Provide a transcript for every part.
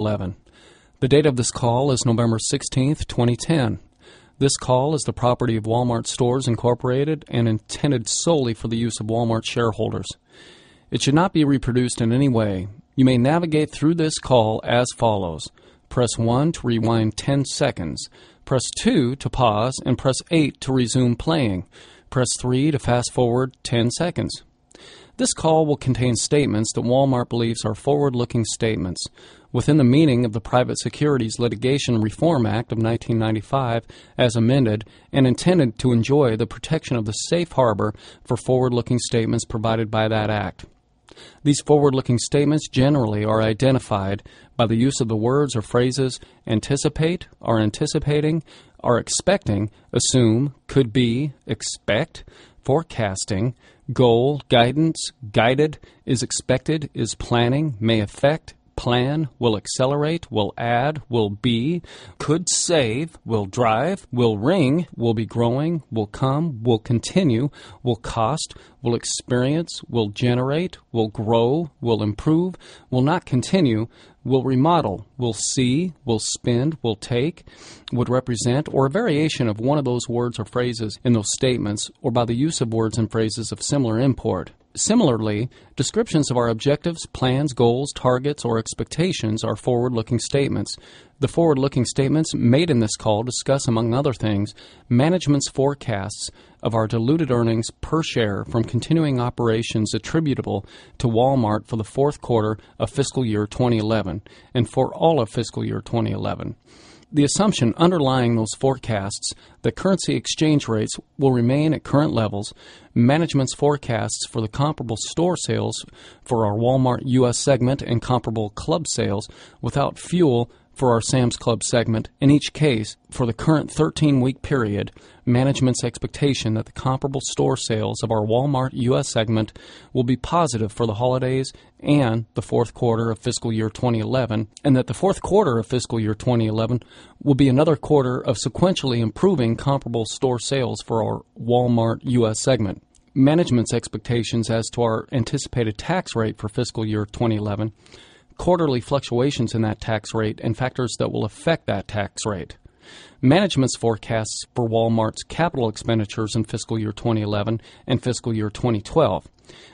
11. The date of this call is November 16, 2010. This call is the property of Walmart Stores Incorporated and intended solely for the use of Walmart shareholders. It should not be reproduced in any way. You may navigate through this call as follows. Press 1 to rewind 10 seconds, press 2 to pause, and press 8 to resume playing. Press 3 to fast forward 10 seconds. This call will contain statements that Walmart believes are forward looking statements within the meaning of the Private Securities Litigation Reform Act of 1995 as amended and intended to enjoy the protection of the Safe Harbor for forward looking statements provided by that act. These forward looking statements generally are identified by the use of the words or phrases anticipate, are anticipating, are expecting, assume, could be, expect, forecasting, goal, guidance, guided, is expected, is planning, may affect, plan, will accelerate, will add, will be, could save, will drive, will ring, will be growing, will come, will continue, will cost, will experience, will generate, will grow, will improve, will not continue, will remodel, will see, will spend, will take, would represent or a variation of one of those words or phrases in those statements or by the use of words and phrases of similar import. Similarly, descriptions of our objectives, plans, goals, targets or expectations are forward looking statements. The forward looking statements made in this call discuss among other things management's forecasts of our diluted earnings per share from continuing operations attributable to Walmart for the Q4 of fiscal year 2011 and for all of fiscal year 2011. The assumption underlying those forecasts, the currency exchange rates will remain at current levels. Management's forecasts for the comparable store sales for our Walmart U. S. Segment and comparable club sales without fuel for our Sam's Club segment. In each case, for the current 13 week period, management's expectation that comparable store sales of our Walmart U. S. Segment will be positive for the holidays and the Q4 of fiscal year 2011 and that the Q4 of fiscal year 2011 will be another quarter of sequentially improving comparable store sales for our Walmart U. S. Segment. Management's expectations as to our anticipated tax rate for fiscal year 2011, quarterly fluctuations in that tax rate and factors that will affect that tax rate. Management's forecasts for Walmart's capital expenditures in fiscal year 2011 fiscal year 2012.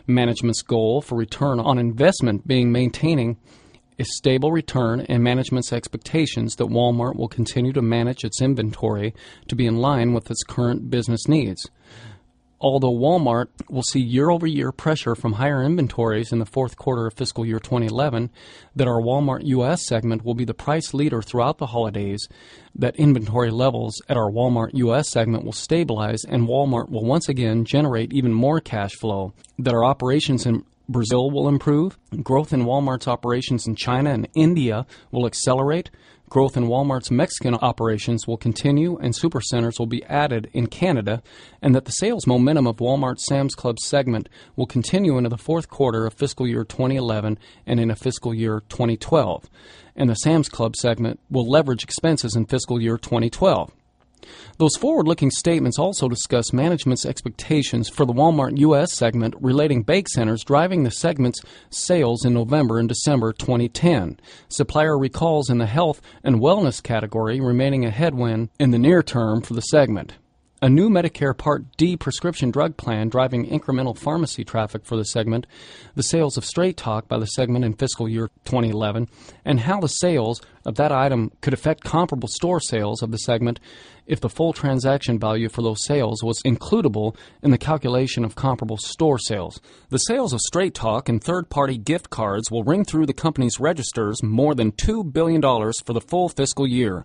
Management's goal return on investment being maintaining a stable return and management's expectations that Walmart will continue to manage its inventory to be in line with its current business needs. Although Walmart will see year over year pressure from higher inventories in the Q4 of fiscal year 2011, that our Walmart U. S. Segment will be the price leader throughout the holidays, that inventory levels at our Walmart U. S. Segment will stabilize in Walmart will once again generate even more cash flow that our operations in Brazil will improve, growth in Walmart's operations in China and India will accelerate, growth in Walmart's Mexican operations will continue and supercenters will be added in Canada and that the sales momentum of Walmart Sam's Club segment will continue into the Q4 of fiscal year 2011 and in the fiscal year 2012, and the Sam's Club segment will leverage expenses in fiscal year 2012. Those forward looking statements also discuss management's expectations for the Walmart US segment relating bake centers driving the segment's sales in November December 2010. Supplier recalls in the health and wellness category remaining a headwind in the near term for the segment. A new Medicare Part D prescription drug plan driving incremental pharmacy traffic for the segment, the sales of straight talk by the segment in fiscal year 2011 and how the sales of that item could affect comparable store sales of the segment if the full transaction value for those sales was includeable in the calculation of comparable store sales. The sales of Straight Talk and 3rd party gift cards will ring through the company's registers more than $2,000,000,000 for the full fiscal year.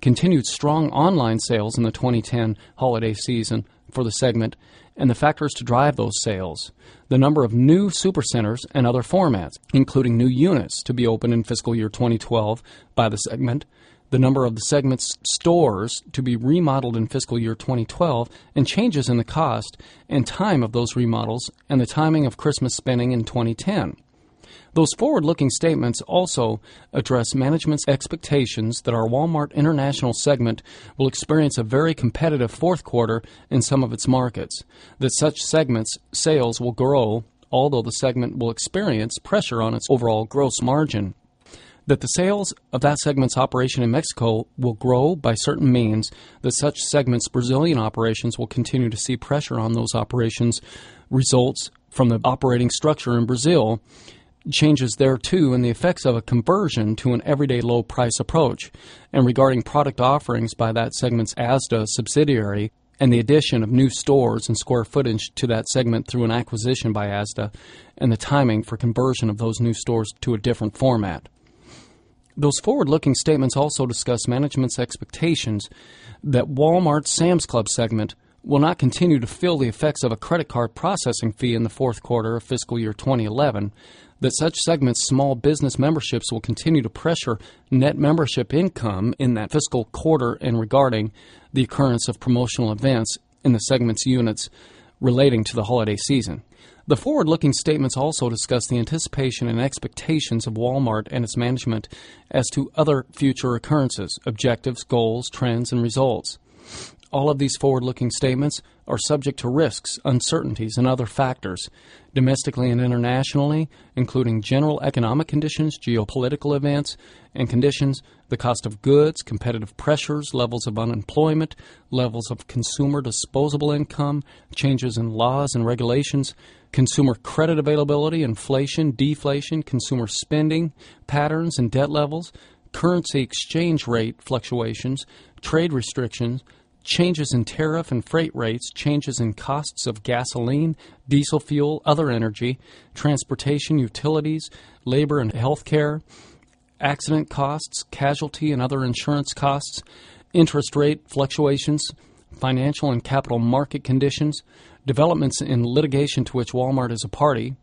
Continued strong online sales in the 2010 holiday season for the segment and the factors to drive those sales. The number of new supercenters and other formats, including new units to be opened in fiscal year 2012 by the segment, the number of the segment's stores to be remodeled in fiscal year 2012 and changes in the cost and time of those remodels and the timing of Christmas spending in 2010. Those forward looking statements also address management's expectations that our Walmart International segment will experience a very competitive Q4 in some of its markets. That such segments sales will grow, although the segment will experience pressure on its overall gross margin. That the sales of that segment's operation in Mexico will grow by certain means that such segments Brazilian operations will continue to see pressure on those operations results from the operating structure in Brazil, changes thereto and the effects of a conversion to an everyday low price approach and regarding product offerings by that segment's ASDA subsidiary and the addition of new stores and square footage to that segment through an acquisition by Asda and the timing for conversion of those new stores to a different format. Those forward looking statements also discuss management's expectations that Walmart Sam's Club segment will not continue to fill the effects of a credit card processing fee in the Q4 of fiscal year 2011 that such segments small business memberships will continue to pressure net membership income in that fiscal quarter in regarding the occurrence of promotional events in the segment's units relating to the holiday season. The forward looking statements also discuss the anticipation and expectations of Walmart and its management as to other future occurrences, objectives, goals, trends and results. To be subject to risks, uncertainties and other factors domestically and internationally, including general economic conditions, geopolitical events and conditions, the cost of goods, competitive pressures, levels of unemployment, levels of consumer disposable income, changes in laws and regulations, consumer credit availability, inflation, deflation, consumer spending, patterns and debt levels, currency exchange rate fluctuations, trade restrictions, changes in tariff and freight rates, changes in cost of gasoline, diesel fuel, other energy, transportation utilities, labor and healthcare, accident costs, casualty and other insurance costs, interest rate fluctuations, financial and capital market conditions, developments in litigation to which Walmart is a party,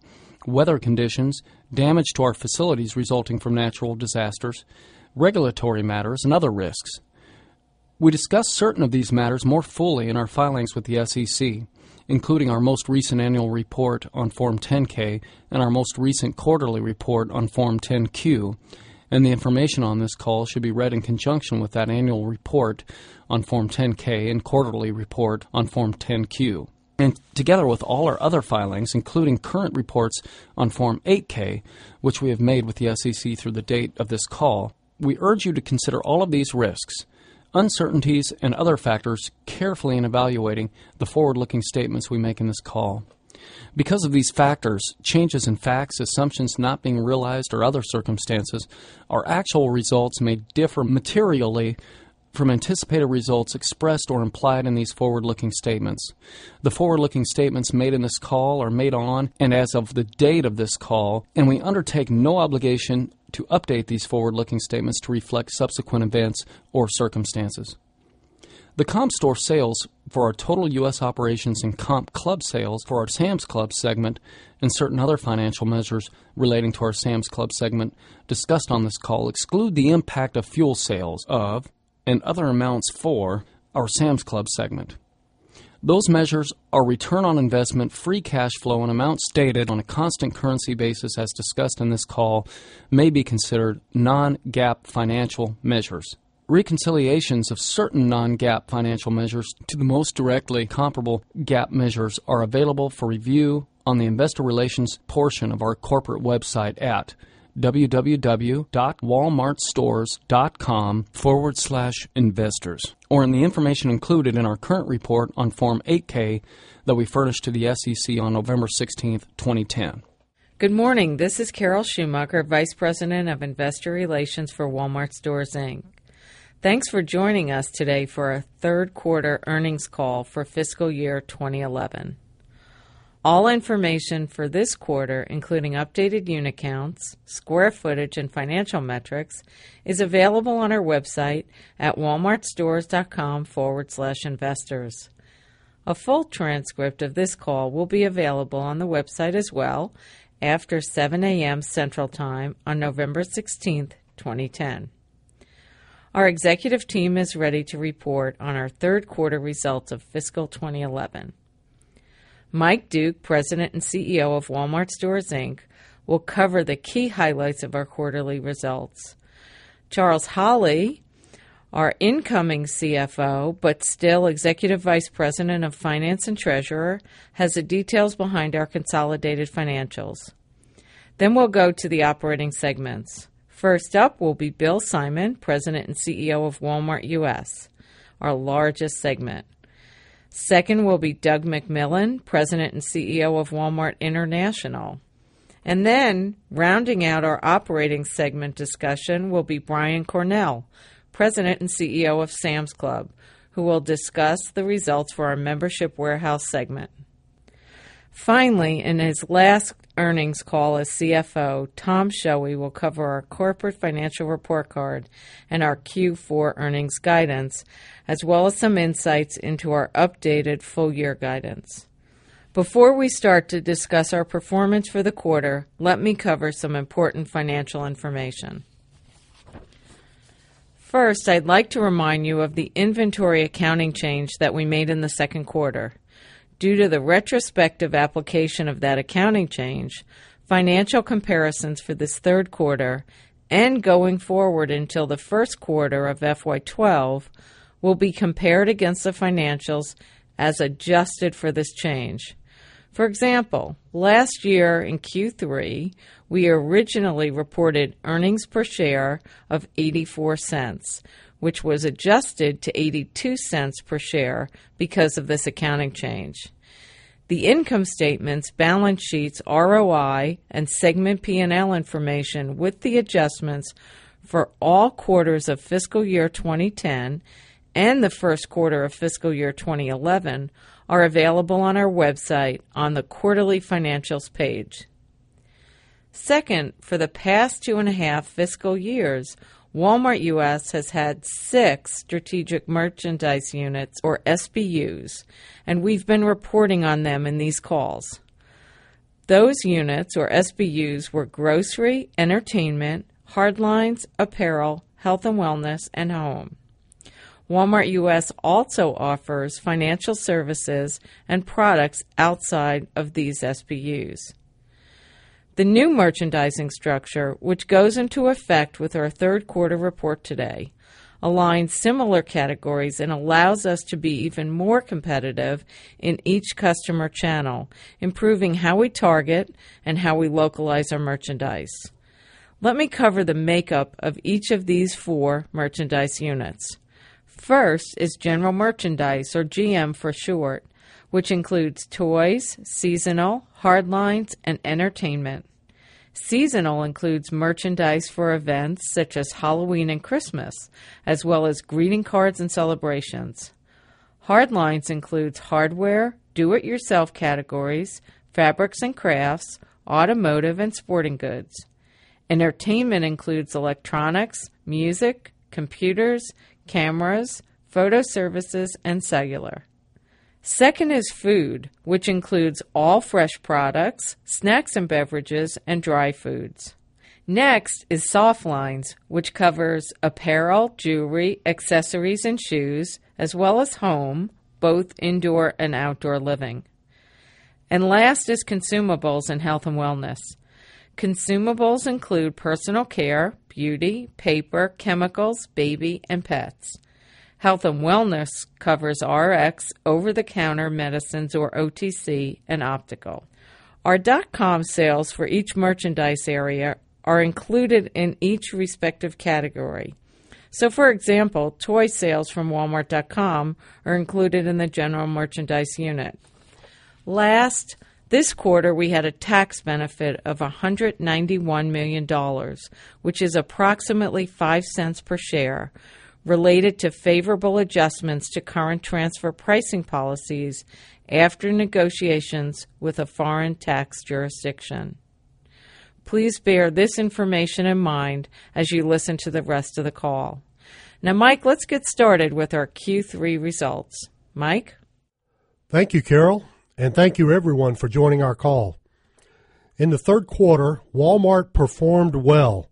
weather conditions, damage to our facilities resulting from natural disasters, regulatory matters and other risks. To be included in the SEC, including our most recent annual report on Form 10 ks in our most recent quarterly report on Form 10Q and the information on this call should be read in conjunction with that annual report on Form 10 ks and quarterly report on Form 10 Q. And together with all our other filings, including current reports on Form 8 ks, which we have made with the SEC through the date of this call. We urge you to consider all of these risks, uncertainties and other factors carefully in evaluating the forward looking statements we make in this call. Because of these factors, changes in facts, assumptions not being realized or other circumstances, our actual results may differ materially from anticipated results expressed or implied in these forward looking statements. The forward looking statements made in this call are made on and as of the date of this call and we undertake no obligation to update these forward looking statements to reflect subsequent events or circumstances. The comp store sales for our total U. S. Operations and comp club sales for our Sam's Club segment and certain other financial measures relating to our Sam's Club segment discussed on this call exclude the impact of fuel sales of and other amounts for our Sam's Club segment. Those measures are return on investment, free cash flow and amounts stated on a constant currency basis as discussed in this call may be considered non GAAP financial measures. Reconciliations of certain non GAAP financial measures to the most directly comparable GAAP measures are available for review on the Investor Relations portion of our corporate website at www.walmartstores.com/investors or in the information included in our current report on Form 8 ks that we furnished to the SEC on November 16, 2010. Good morning. This is Carol Schumacher, Vice President of Investor Relations for Walmart Stores Inc. Thanks for joining us today for our Q3 earnings call for fiscal year 2011. All information for this quarter, including updated unit counts, square footage and financial metrics, is available on our website at walmartstores.comforward Slash investors. A full transcript of this call will be available on the website as well after 7 AM CST on November 16th, 2010. Our executive team is ready to report on our Q3 results of fiscal 2011. Mike Duke, President and CEO of Walmart Stores Inc, will cover the key highlights of our quarterly results. Charles Holly, our incoming CFO, but still Executive Vice President of Finance and Treasurer, Has the details behind our consolidated financials. Then we'll go to the operating segments. First up will be Bill Simon, President and CEO of Walmart US, our largest segment. 2nd will be Doug McMillan, President and CEO of Walmart International. And then rounding out our operating segment discussion will be Brian Cornell, president and CEO of Sam's Club, who will discuss the results for our membership warehouse segment. Finally, in his last earnings call as CFO, Tom Shelley will cover our corporate financial report card and our Q4 earnings guidance as well as some insights into our updated full year guidance. Before we start to discuss our performance for the quarter, let me cover some important financial information. First, I'd like to remind you of the inventory accounting change that we made in the Q2. Due to the retrospective application of that accounting change, financial comparisons for this Q3 and going forward until the Q1 of f y 12 Will be compared against the financials as adjusted for this change. For example, last year in Q3, We originally reported earnings per share of $0.84 which was adjusted to $0.82 per share because of this accounting change. The income statements, balance sheets, ROI and segment P and L information with the adjustments For all quarters of fiscal year 2010 and the Q1 of fiscal year 2011 are available on our website on the quarterly financials page. 2nd, for the past two and a half fiscal years, Walmart US has had 6 strategic merchandise units or SBUs, and we've been reporting on them in these calls. Those units or SBUs were grocery, entertainment, hardlines, apparel, health and wellness, and home. Walmart US also offers financial services and products outside of these SBUs. The new merchandising structure, which goes into effect with our Q3 report today, aligns similar categories and allows us to be even more competitive in each customer channel, improving how we target and how we localize our merchandise. Let me cover the makeup of each of these 4 merchandise units. First is general merchandise or GM for short, Which includes toys, seasonal, hardlines, and entertainment. Seasonal includes merchandise for events such as Halloween and Christmas, as well as greeting cards and celebrations. Hardlines includes hardware, do it yourself categories, fabrics and crafts, automotive and sporting goods. Entertainment includes electronics, music, computers, cameras, photo services, and cellular. 2nd is food, which includes all fresh products, snacks and beverages, and dry foods. Next is Softlines, which covers apparel, jewelry, accessories and shoes, as well as home, both indoor and outdoor living. And last is consumables in health and wellness. Consumables include personal care, beauty, paper, chemicals, baby and pets. Health and wellness covers Rx, over the counter medicines or OTC and optical. Our dotcom sales for each merchandise area are included in each respective category. So for example, toy sales from walmart.com Are included in the general merchandise unit. Last, this quarter, we had a tax benefit of $191,000,000 Which is approximately $0.05 per share related to favorable adjustments to current transfer pricing policies After negotiations with a foreign tax jurisdiction. Please bear this information in mind as you listen to the rest of the call. Now Mike, let's get started with our Q3 results. Mike? Thank you, Carol, and thank you, everyone, for joining our call. In the Q3, Walmart performed well,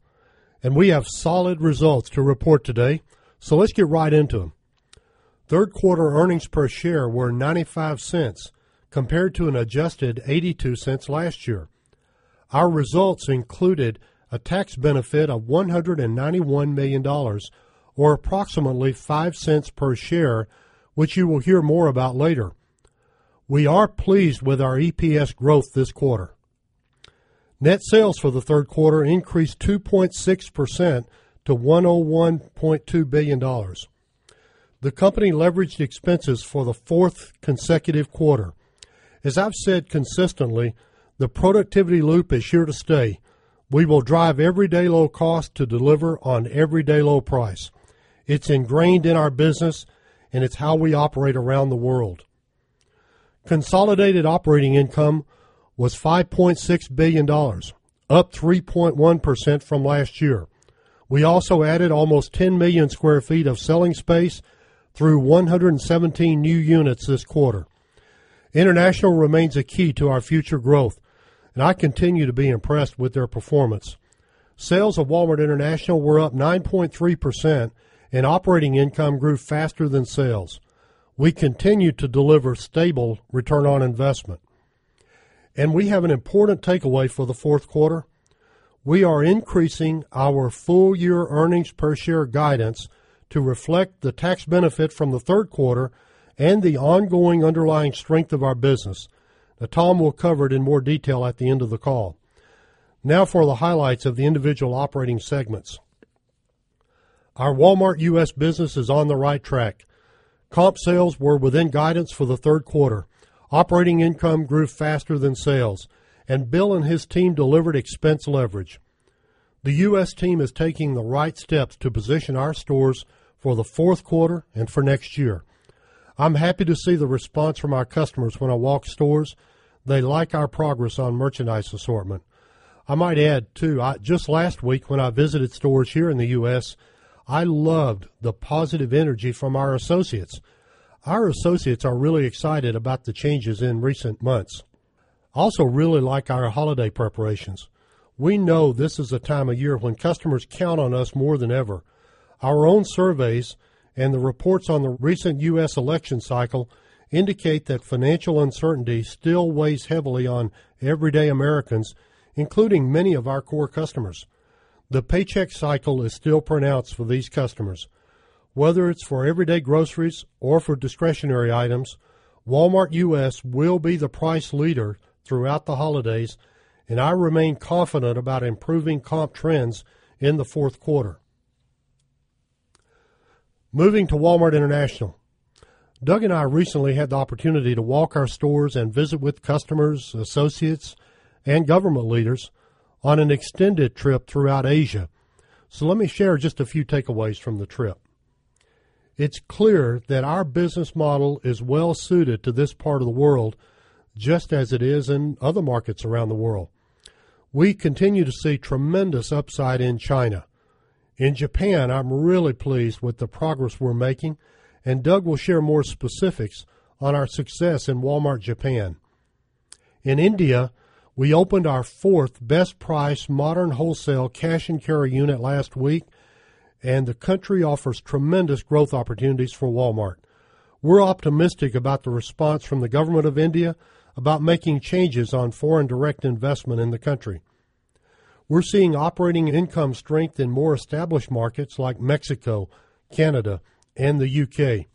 and we have solid results to report today. So let's get right into them. 3rd quarter earnings per share were $0.95 compared to an adjusted $0.82 last year. Our results included a tax benefit of $191,000,000 or approximately $0.05 per share, Which you will hear more about later. We are pleased with our EPS growth this quarter. Net sales for the 3rd quarter increased 2.6 percent to $101,200,000,000 The company leveraged expenses for the 4th consecutive quarter. As I've said consistently, the productivity loop is here to stay. We will drive everyday low cost to deliver on everyday low price. It's ingrained in our business and it's how we operate around the world. Consolidated operating income was $5,600,000,000 up 3.1% from last year. We also added almost 10,000,000 square feet of selling space through 117 new units this quarter. International remains a key to our future growth, and I continue to be impressed with their performance. Sales of Walmart International were up 9.3% And operating income grew faster than sales. We continue to deliver stable return on investment. And we have an important takeaway for the Q4. We are increasing our full year earnings per share guidance to reflect the tax benefit from the Q3 and the ongoing underlying strength of our business that Tom will cover it in more detail at the end of the call. Now for the highlights of the individual operating segments. Our Walmart U. S. Business is on the right track. Comp sales were within guidance for the Q3. Operating income grew faster than sales. And Bill and his team delivered expense leverage. The U. S. Team is taking the right steps to position our stores for the Q4 and for next year. I'm happy to see the response from our customers when I walk stores. They like our progress on merchandise assortment. I might add too, just last week when I visited stores here in the U. S, I loved the positive energy from our associates. Our associates are really excited about the changes in recent months. Also really like our holiday preparations. We know this is a time of year when customers count on us more than ever. Our own surveys and the reports on the recent U. S. Election cycle indicate that financial uncertainty still weighs heavily on everyday Americans, including many of our core customers. The paycheck cycle is still pronounced for these customers. Whether it's for everyday groceries or for discretionary items, Walmart U. S. Will be the price leader throughout the holidays and I remain confident about improving comp trends in the 4th quarter. Moving to Walmart International. Doug and I recently had the opportunity to walk our stores and visit with customers, associates and government leaders on an extended trip throughout Asia. So let me share just a few takeaways from the trip. It's clear that our business model is well suited to this part of the world just as it is in other markets around the world. We continue to see tremendous upside in China. In Japan, I'm really pleased with the progress we're making, and Doug will share more specifics on our success in Walmart Japan. In India, we opened our 4th best price modern wholesale cash and carry unit last week and the country offers tremendous growth opportunities for Walmart. We're optimistic about the response from the government of India about making changes on foreign direct investment in the country. We're seeing operating income strength in more established markets like Mexico, Canada and the U. K.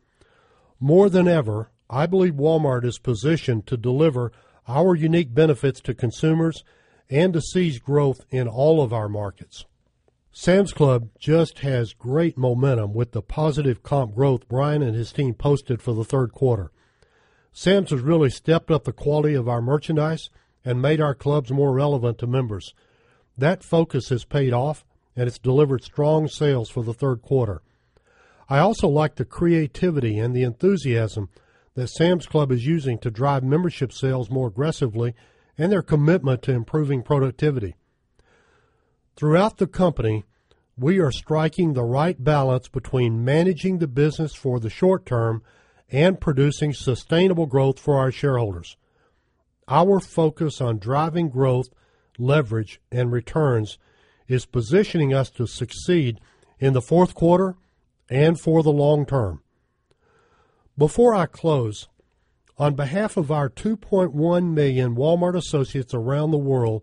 More than ever, I believe Walmart is positioned to deliver our unique benefits to consumers and to seize growth in all of our markets. Sam's Club just has great momentum with the positive comp growth Brian and his team posted for the 3rd quarter. Sam's has really stepped up the quality of our merchandise and made our clubs more relevant to members. That focus has paid off and has delivered strong sales for the Q3. I also like the creativity and the enthusiasm that Sam's Club is using to drive membership sales more aggressively and their commitment to improving productivity. Throughout the company, we are striking the right balance between to the business for the short term and producing sustainable growth for our shareholders. Our focus on driving growth, leverage and returns is positioning us to succeed in the Q4 and for the long term. Before I close, on behalf of our 2,100,000 Walmart Associates around the world,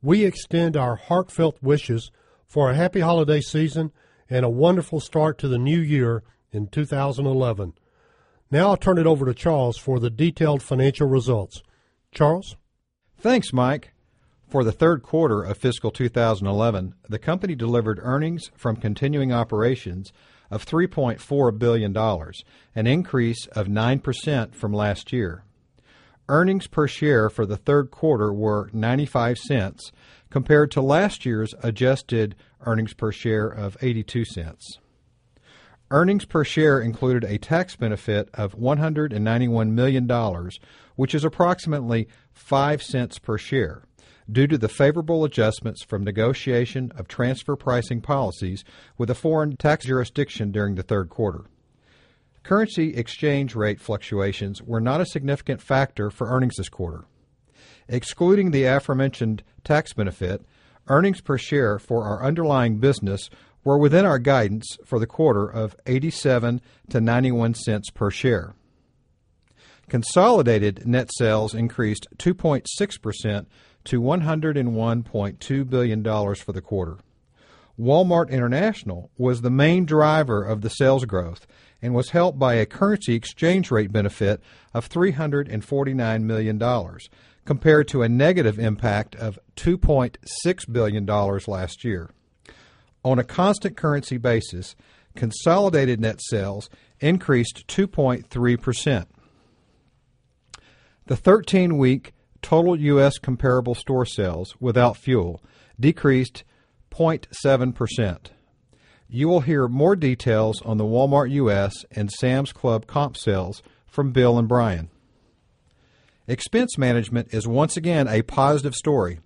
we extend our heartfelt wishes for a happy holiday season and a wonderful start to the New Year in 2011. Now I'll turn it over to Charles for the detailed financial results. Charles? Thanks, Mike. For the Q3 of fiscal 2011, the company delivered earnings from continuing operations of $3,400,000,000 an increase of 9% from last year. Earnings per share for the Q3 were $0.95 Compared to last year's adjusted earnings per share of $0.82 Earnings per share included a tax benefit of $191,000,000 which is approximately $0.05 per share due to the favorable adjustments from negotiation of transfer pricing policies with a foreign tax jurisdiction during the Q3. Currency exchange rate situations were not a significant factor for earnings this quarter. Excluding the aforementioned tax benefit, earnings per share for our underlying business We're within our guidance for the quarter of $0.87 to $0.91 per share. Consolidated net sales increased 2.6% to $101,200,000,000 for the quarter. Walmart International was the main driver of the sales growth And was helped by a currency exchange rate benefit of $349,000,000 compared to a negative impact of 2 point $6,000,000,000 last year. On a constant currency basis, consolidated net sales increased 2.3%. The 13 week total U. S. Comparable store sales without fuel decreased 0.7%. You will hear more details on the Walmart U. S. And Sam's Club comp sales from Bill and Brian. Expense management is once again a positive story.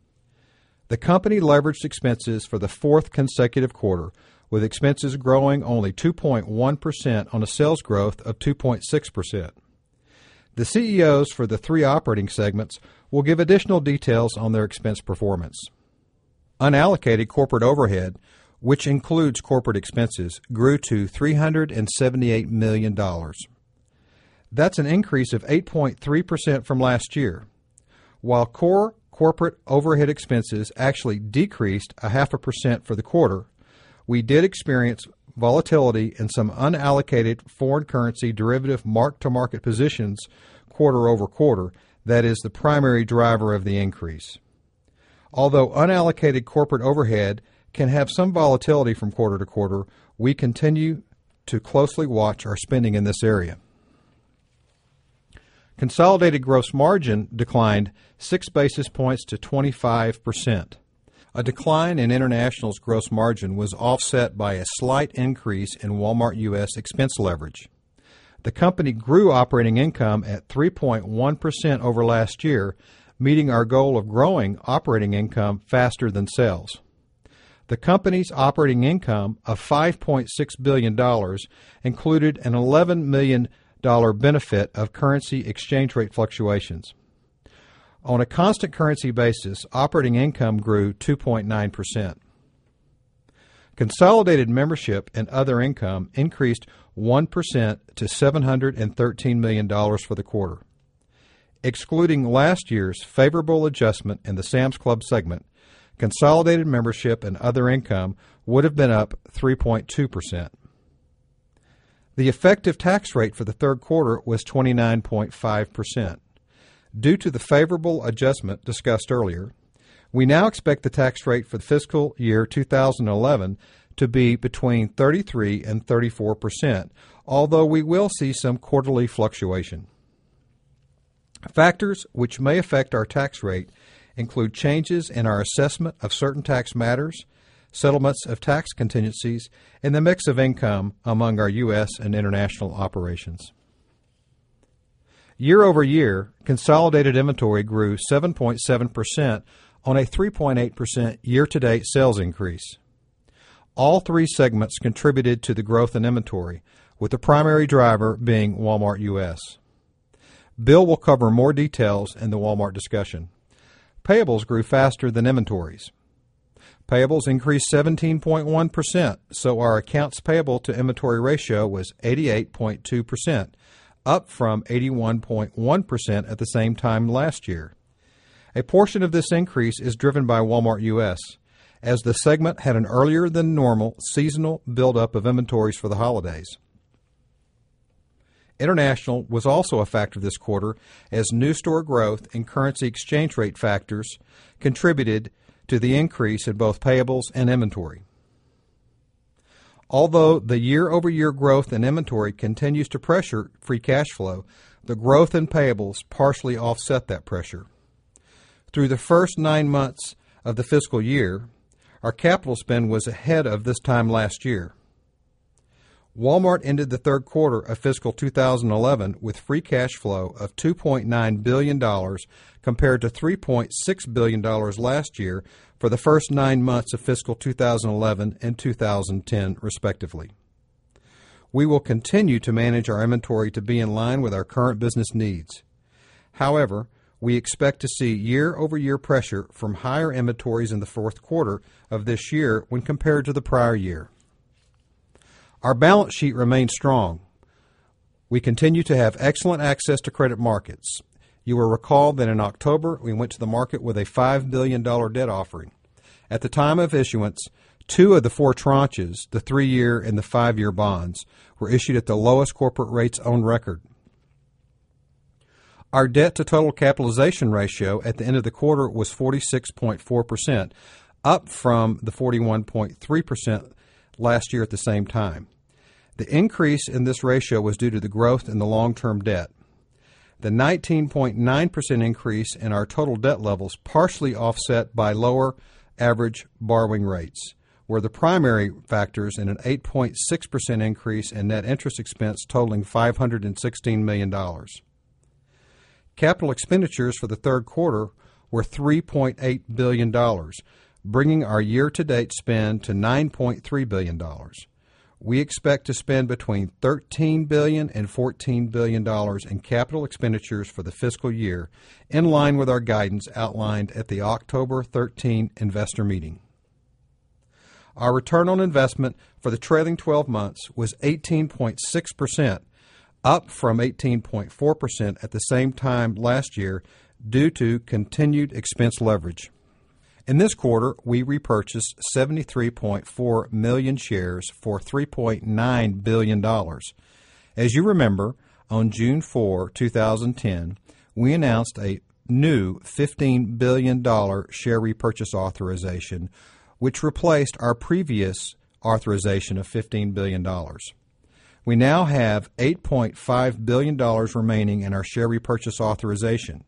The company leveraged expenses for the 4th consecutive quarter with expenses growing only 2.1% on a sales growth of 2.6%. The CEOs for the 3 operating segments will give additional details on their expense performance. Unallocated corporate overhead, which includes corporate expenses, grew to $378,000,000 That's an increase of 8.3% from last year, While core corporate overhead expenses actually decreased 0.5% for the quarter, we did experience volatility in some unallocated foreign currency derivative mark to market positions quarter over quarter that is the primary driver of the increase. Although unallocated corporate overhead can have some volatility from quarter to quarter, we continue to closely watch our spending in this area. Consolidated gross margin declined 6 basis points to 25%. A decline in International's gross margin was offset by a slight increase in Walmart U. S. Expense leverage. The company grew operating income at 3.1% over last year, meeting our goal of growing operating income faster than sales. The company's operating income of $5,600,000,000 included an $11,000,000 benefit of currency exchange rate fluctuations. On a constant currency basis, operating income grew 2.9%. Consolidated membership and other income increased 1% to $713,000,000 for the quarter. Excluding last year's favorable adjustment in the Sam's Club segment, consolidated membership and other income would have been up 3.2%. The effective tax rate for the 3rd quarter was 29 point 5%. Due to the favorable adjustment discussed earlier, we now expect the tax rate for the fiscal year 2011 to be between 33% 34%, although we will see some quarterly fluctuation. Factors which may affect our tax rate include changes in our assessment of certain tax matters, settlements of tax contingencies And the mix of income among our U. S. And international operations. Year over year, consolidated inventory grew 7.7% on a 3.8% year to date sales increase. All three segments contributed to the growth in inventory with the primary driver being Walmart U. S. Bill will cover more details in the Walmart discussion. Payables grew faster than inventories. Payables increased 17.1%, so our accounts payable to inventory ratio was 88.2%, up from 81.1% at the same time last year. A portion of this increase is driven by Walmart US as the segment had an earlier than normal seasonal buildup of inventories for the holidays. International was also a factor this quarter as new store growth and currency exchange rate factors contributed to the increase in both payables and inventory. Although the year over year growth in inventory continues to pressure free cash flow, the growth in payables partially offset that pressure. Through the 1st 9 months of the fiscal year, our capital spend was ahead of this time last year. Walmart ended the Q3 of fiscal 2011 with free cash flow of $2,900,000,000 compared to $3,600,000,000 last year for the 1st 9 months of fiscal 20112010 respectively. We will continue to manage our inventory to be in line with our current business needs. However, we expect to see year over year pressure from higher inventories in the Q4 of this year when compared to the prior year. Our balance sheet remains strong. We continue to have excellent access to credit markets. You will recall that in to we went to the market with a $5,000,000,000 debt offering. At the time of issuance, 2 of the 4 tranches, the 3 year and the 5 year bonds were issued at the lowest corporate rates on record. Our debt to total capitalization ratio at the end of the quarter was 46.4%, up from the 41.3% last year at the same time. The increase in this ratio was due to the growth in the long term debt. The 19.9% increase in our total debt levels partially offset by lower average borrowing rates were the primary factors in an 8.6% increase in net interest expense totaling $516,000,000 Capital expenditures for the Q3 were $3,800,000,000 bringing our year to date spend to $9,300,000,000 we expect to spend between $13,000,000,000 $14,000,000,000 in capital expenditures for the fiscal year, in line with our guidance outlined at the October 13 Investor Meeting. Our return on investment for the trailing 12 months was 18.6%, up from 18.4% at the same time last year due to continued expense leverage. In this quarter, we repurchased 73,400,000 shares for $3,900,000,000 As you remember, on June 4, 2010, we announced a new $15,000,000,000 share repurchase authorization, which replaced our previous authorization of $15,000,000,000 We now have $8,500,000,000 remaining in our share repurchase authorization.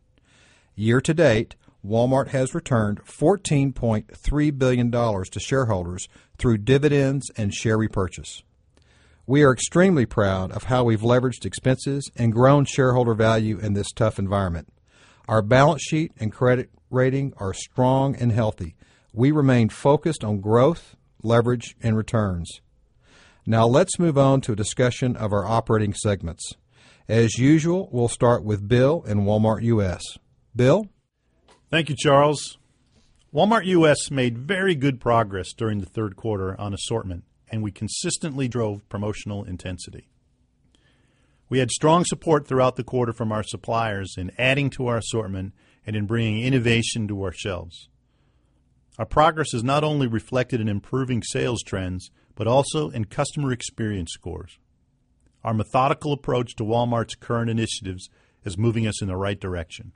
Year to date, Walmart has returned $14,300,000,000 to shareholders through dividends and share repurchase. We are extremely proud of how we've leveraged expenses and grown shareholder value in this tough environment. Our balance sheet and credit rating are strong and healthy. We remain focused on growth, leverage and returns. Now let's move on to a discussion of our operating segments. To As usual, we'll start with Bill in Walmart U. S. Bill? Thank you, Charles. Walmart U. S. Made very good progress during the Q3 on assortment and we consistently drove promotional intensity. We had strong support throughout the quarter from our suppliers in adding to our assortment and in bringing innovation to our shelves. Our progress is not only reflected in improving sales trends, but also in customer experience scores. Our methodical approach to Walmart's current initiatives is moving us in the right direction.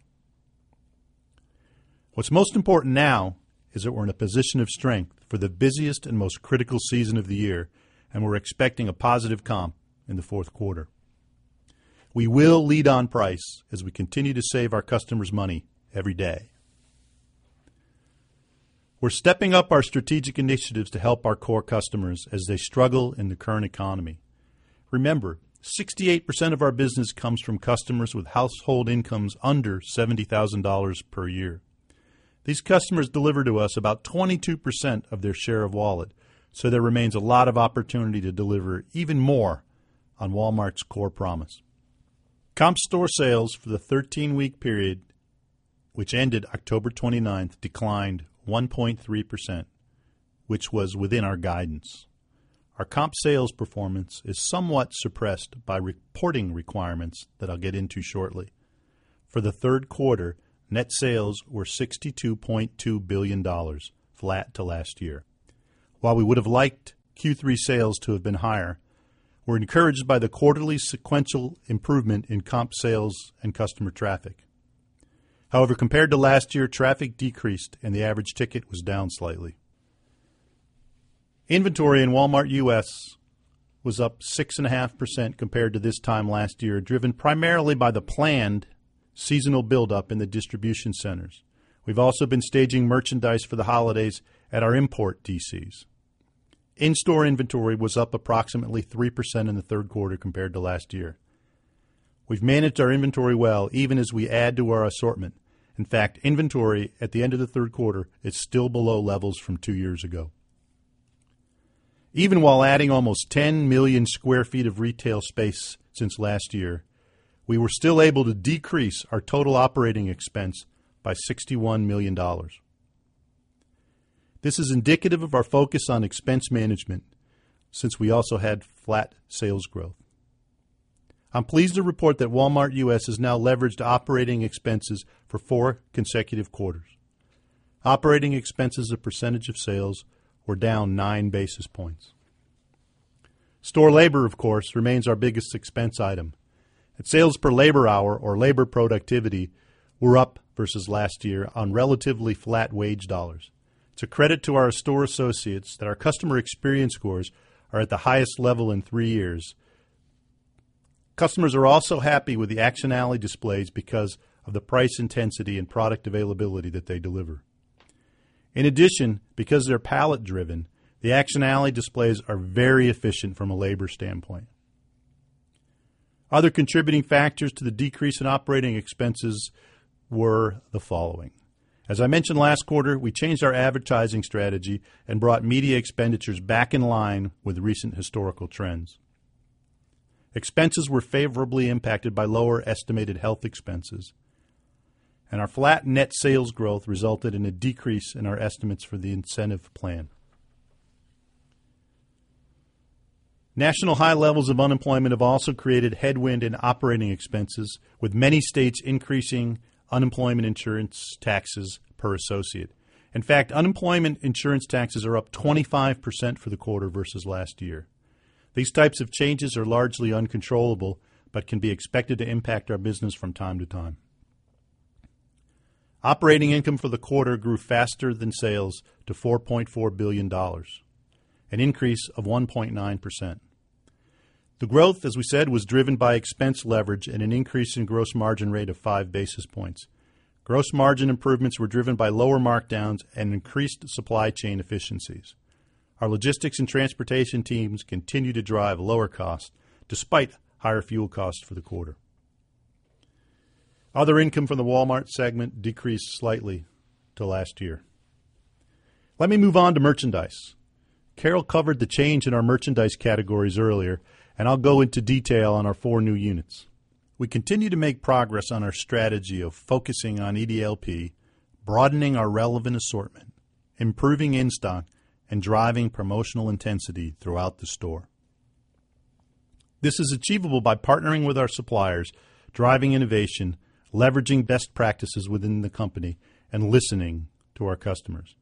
What's most important now is that we're in a position of strength for the busiest and most critical season of the year, and we're expecting a positive comp in the Q4. We will lead on price as we continue to save our customers money every day. We're stepping up our strategic initiatives to help our core customers as they struggle in the current economy. Remember, 68% of our business comes from customers household incomes under $70,000 per year. These customers deliver to us about 22% of their share of wallet. So there remains a lot of opportunity to deliver even more on Walmart's core promise. Comp store sales for the 13 week period, Which ended October 29th declined 1.3%, which was within our guidance. Our comp sales performance is somewhat suppressed by reporting requirements that I'll get into shortly. For the Q3, net sales were $62,200,000,000 flat to last year. While we would have liked Q3 sales to have been higher, we're encouraged by the quarterly sequential improvement in comp sales and customer traffic. However, compared to last year, traffic decreased and the average ticket was down slightly. Inventory in Walmart U. S. Was up 6.5% compared to this time last year, driven primarily by the planned seasonal buildup in the distribution centers. We've also been staging merchandise for the holidays at our import DCs. In store inventory was up approximately 3% in the Q3 compared to last year. To We've managed our inventory well even as we add to our assortment. In fact, inventory at the end of Q3 is still below levels from 2 years ago. To be included in the Q1 of 2018. Even while adding almost 10,000,000 square feet of retail space since last year, we were still able to decrease our total operating expense by $61,000,000 This is indicative of our focus on expense management, since we also had flat sales growth. I'm pleased to report that Walmart U. S. Has now leveraged operating expenses for 4 consecutive quarters. Operating expenses as a percentage of sales were down 9 basis points. Store labor, of course, remains our biggest expense item. Sales per labor hour or labor productivity were up versus last year on relatively flat wage dollars. To credit to our store associates that our customer experience scores are at the highest level in 3 years. Customers are also happy with the Action Alley displays because of the price intensity and product availability that they deliver. In addition, because they are pallet driven, the Action Alley displays are very efficient from a labor standpoint. To be a key contributor to the decrease in operating expenses were the following. As I mentioned last quarter, we changed our advertising strategy and brought media expenditures back in line with recent historical trends. Expenses were favorably impacted by lower estimated health expenses and our flat net sales growth resulted in a decrease in our estimates for the incentive plan. National high levels of unemployment have also created headwind in operating expenses with many states increasing unemployment insurance taxes per associate. In fact, unemployment insurance taxes are up 25% for the quarter versus last year. These types of changes are largely uncontrollable, but can be expected to impact our business from time to time. Operating income for the quarter grew faster than sales to $4,400,000,000 an increase of 1.9%. The growth, as we said, was driven by expense leverage and an increase in gross margin rate of 5 basis points. Gross margin improvements were driven by lower markdowns and increased supply chain efficiencies. Our logistics and transportation teams continue to drive lower costs despite higher fuel costs for the quarter. Other income from the Walmart segment decreased slightly to last year. Let me move on to merchandise. To Carol covered the change in our merchandise categories earlier, and I'll go into detail on our 4 new units. We continue to make us on our strategy of focusing on EDLP, broadening our relevant assortment, improving in stock and driving promotional intensity throughout the store. This is achievable by partnering with our suppliers, driving innovation, leveraging best practices within the company and listening to our customers.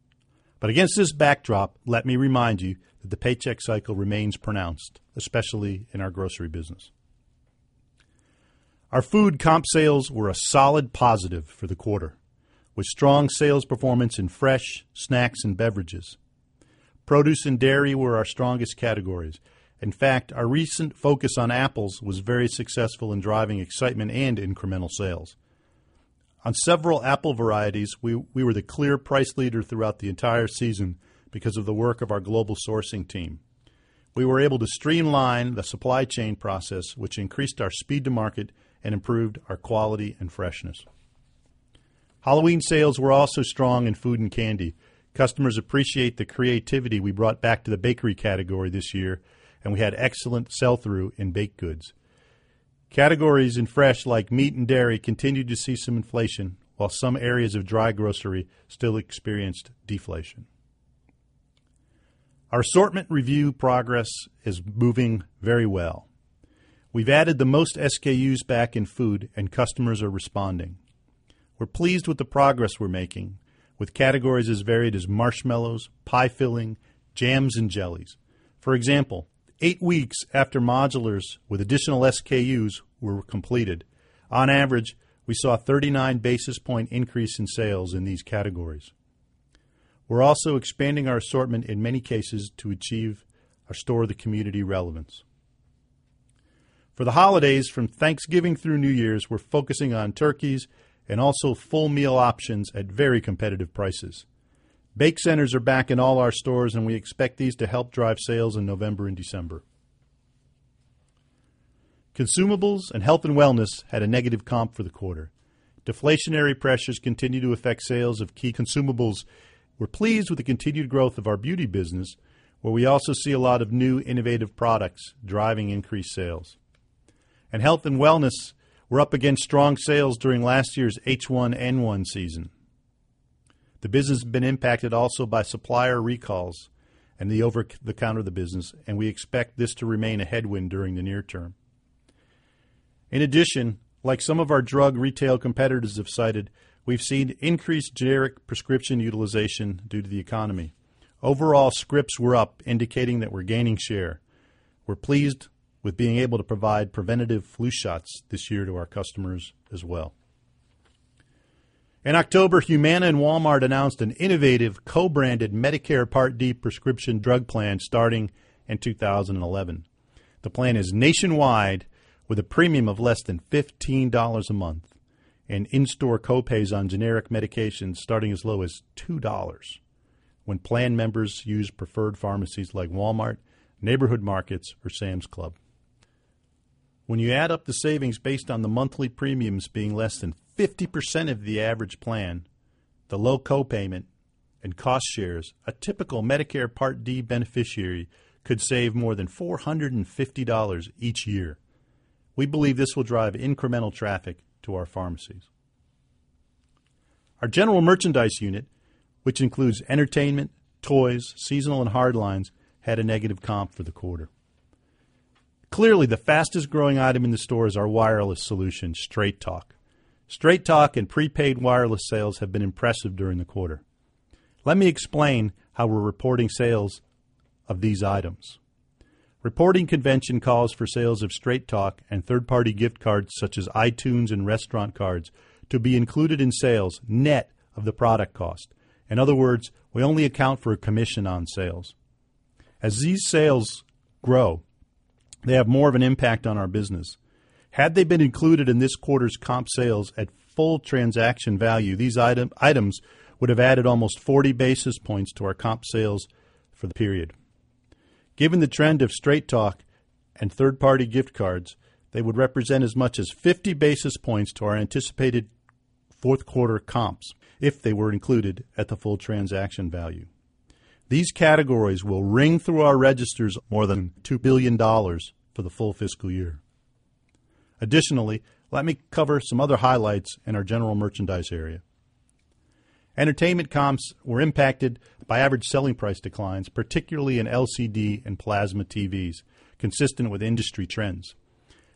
But against this backdrop, let me remind you that the paycheck cycle remains pronounced, especially in our grocery business. Our food comp sales were a solid positive for the quarter, with strong sales performance in fresh snacks and beverages. Produce and dairy were our strongest categories. In fact, our recent focus on apples was very successful in driving excitement and incremental sales. On several Apple varieties, we were the clear price leader throughout the entire season because of the work of our global sourcing team. We were able to streamline the supply chain process, which increased our speed to market and improved our quality and freshness. Halloween sales were also strong in food and candy. Customers appreciate the creativity we brought back to the bakery category this year and we had excellent sell through in baked goods. Categories in fresh like meat and dairy continued to see some inflation, while some areas of dry grocery still experienced deflation. Our assortment review progress is moving very well. We've added the most SKUs back in food and customers are responding. We're pleased with the progress we're making with categories as varied as marshmallows, pie filling jams and jellies. For example, 8 weeks after modulars with additional SKUs were completed, On average, we saw a 39 basis point increase in sales in these categories. We're also expanding our assortment in many cases to achieve our store the community relevance. For the holidays from Thanksgiving through New Year's, we're focusing on turkeys and also full meal options at very competitive prices. Bake Centers are back in all our stores and we expect these to help drive sales in November December. Consumables and Health and Wellness had a negative comp for the quarter. Deflationary pressures continue to affect sales of key consumables. We're pleased with the continued growth of our beauty business, where we also see a lot of new innovative products driving increased sales. And health and wellness were up against strong sales during last year's H1N1 season. The business has been impacted also by supplier recalls and the over the counter of the business and we expect this to remain a headwind during the near term. In addition, like some of our drug retail competitors have cited, We've seen increased generic prescription utilization due to the economy. Overall scripts were up indicating that we're gaining share. We're pleased with being able to provide preventative flu shots this year to our customers as well. In October, Humana and Walmart announced an innovative co branded Medicare Part D prescription drug plan starting in 2011. The plan is nationwide with a premium of less than $15 a month and in store co pays on generic medications starting as low as $2 when plan members use preferred pharmacies like Walmart, Neighborhood Markets or Sam's Club. When you add up the savings based on the monthly premiums being less than 50% of the average plan, the low co payment and cost shares, a typical Medicare Part D beneficiary could save more than $4.50 each year. We believe this will drive incremental traffic to our pharmacies. Our general merchandise unit, which includes entertainment, toys, seasonal and hard lines had a negative comp for the quarter. To Clearly, the fastest growing item in the stores are wireless solutions, Straight Talk. Straight Talk and prepaid wireless sales have been impressive during the quarter. Straight talk and 3rd party gift cards such as iTunes and restaurant cards to be included in sales net of the product cost. In other words, we only account for a commission on sales. As these sales grow, they have more of an impact on our business. Had they been included in this quarter's comp sales at full transaction value, these items would have added almost 40 basis points to our comp sales for the period. Given the trend of straight talk and 3rd party gift cards, they would represent as much as 50 basis points to our anticipated 4th quarter comps, if they were included at the full transaction value. These categories will ring through our registers more than $2,000,000,000 for the full fiscal year. Additionally, let me cover some other highlights in our general merchandise area. Entertainment comps were impacted by average selling price declines, particularly in LCD and plasma TVs, consistent with industry trends.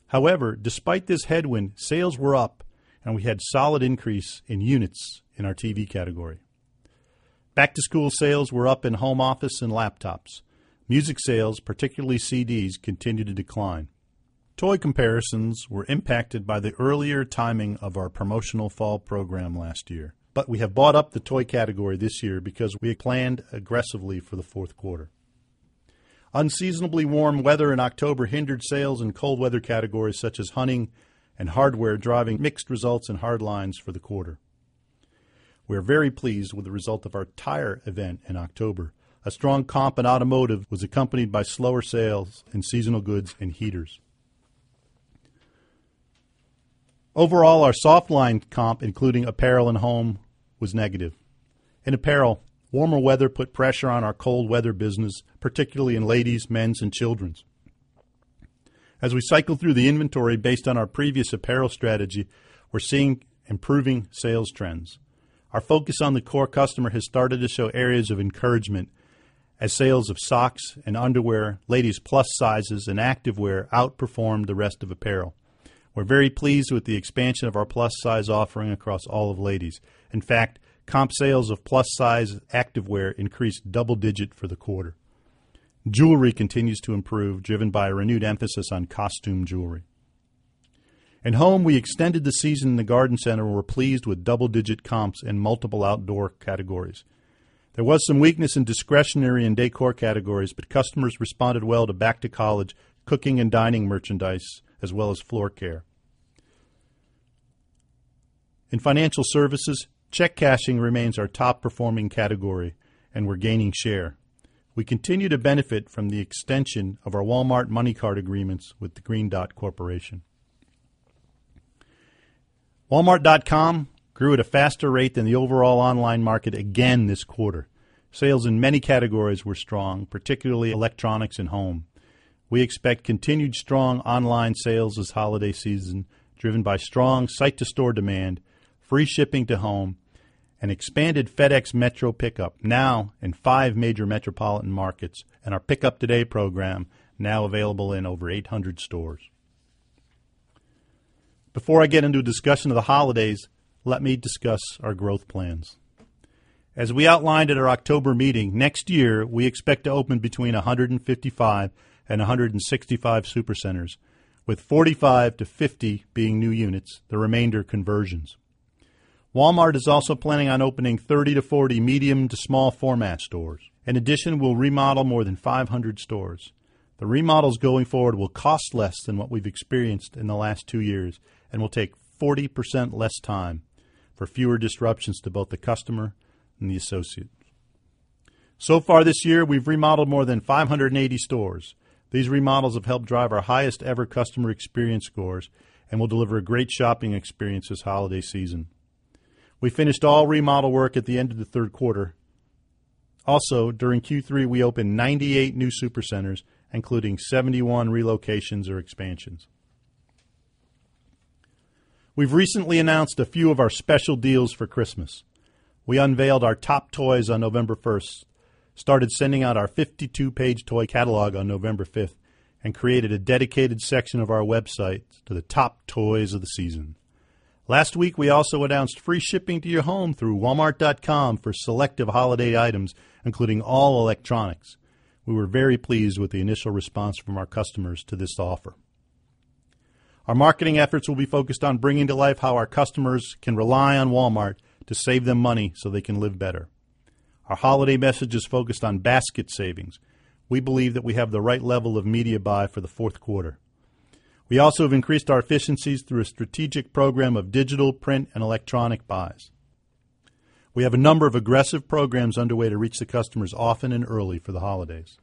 However, despite this headwind, sales were up and we had solid increase in units in our TV category. Back to school sales were up in home office and laptops. Music sales, particularly CDs, continue to decline. Toy comparisons were impacted by the earlier timing of our promotional fall program last year, but we have bought up the toy category this year because we had planned aggressively for the Q4. Unseasonably warm weather in October hindered sales in cold weather categories such as hunting and hardware driving mixed results and hard lines for the quarter. We are very pleased with the result of our tire event in October. A strong comp in automotive was accompanied by slower sales and seasonal goods and heaters. Overall, our soft line comp, including apparel and home, was negative. In apparel. Warmer weather put pressure on our cold weather business, particularly in ladies, men's and children's. As we cycle through the inventory based on our previous apparel strategy, we're seeing improving sales trends. Our on the core customer has started to show areas of encouragement as sales of socks and underwear ladies plus sizes and activewear outperformed the rest of apparel. We're very pleased with the expansion of our plus size offering across all of ladies. In fact, comp sales of plus size activewear increased double digit for the quarter. Jewelry continues to improve driven by a renewed emphasis on costume jewelry. In home, we extended the season in the Garden Center. We're pleased with double digit comps in multiple outdoor categories. There was some weakness in discretionary and decor categories, but customers responded well to back to college, cooking and dining merchandise, as well as Floor Care. In Financial Services, check cashing remains our top performing category and we're gaining share. We continue to benefit from the extension of our Walmart MoneyCard agreements with the Green Dot Corporation. Walmart.com grew at a faster rate than the overall online market again this quarter. Sales in many categories were strong, particularly electronics and home. We expect continued strong online sales this holiday season, driven by strong site to store demand, free shipping to home and expanded FedEx Metro pickup now in 5 major metropolitan markets and our Pickup Today program now available in over 800 stores. Before I get into discussion of the holidays, Let me discuss our growth plans. As we outlined at our October meeting, next year, we expect to open between 155 and 165 Supercenters with 45 to 50 being new units, the remainder conversions. Walmart is also planning on opening 30 to 40 medium to small format stores. In addition, we'll remodel more than 500 stores. The remodels going forward will cost less than what we've experienced in the last 2 years and will take 40% less time for fewer disruptions to both the customer and the associate. So far this year, we've remodeled more than 580 stores. These remodels have helped drive our highest ever customer experience scores and will deliver a great shopping experience this holiday season. We finished all remodel work at the end of the Q3. Also during Q3, we opened 98 new supercenters, including 71 relocations or expansions. We've recently announced a few of our special deals for Christmas. We unveiled our top toys on November 1st, started sending out our 52 page toy catalog on November 5th and created a dedicated section of our website to the top toys of the season. Last week, we also announced free shipping to your home through walmart.com for selective holiday items, including all electronics. We were very pleased with the initial response from our customers to this offer. Our marketing efforts will be focused on bringing to life how our customers can rely on Walmart to save them money so they can live better. Our holiday message is focused on basket savings. We believe that we have the right level of media buy for the Q4. We also have increased our efficiencies through a strategic program of digital print and electronic buys. We have a number of aggressive programs underway to reach the customers to spend in early for the holidays.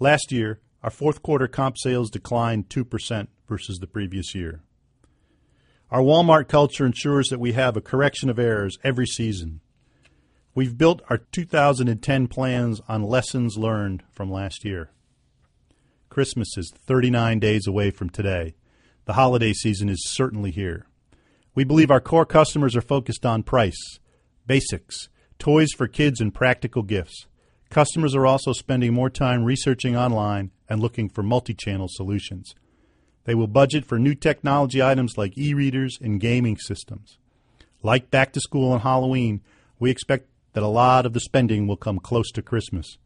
Last year, our 4th quarter comp sales declined 2% versus the previous year. Our Walmart culture ensures that we have a correction of errors every season. We've built our 2010 plans on lessons learned from last year. Christmas is 39 days away from today. The holiday season is certainly here. We believe our core customers are focused on price, basics, toys for kids and practical gifts. Customers are also spending more time researching online and looking for multi channel solutions. To they will budget for new technology items like e readers and gaming systems. Like back to school and Halloween, we expect that a lot of the spending will come close to Christmas.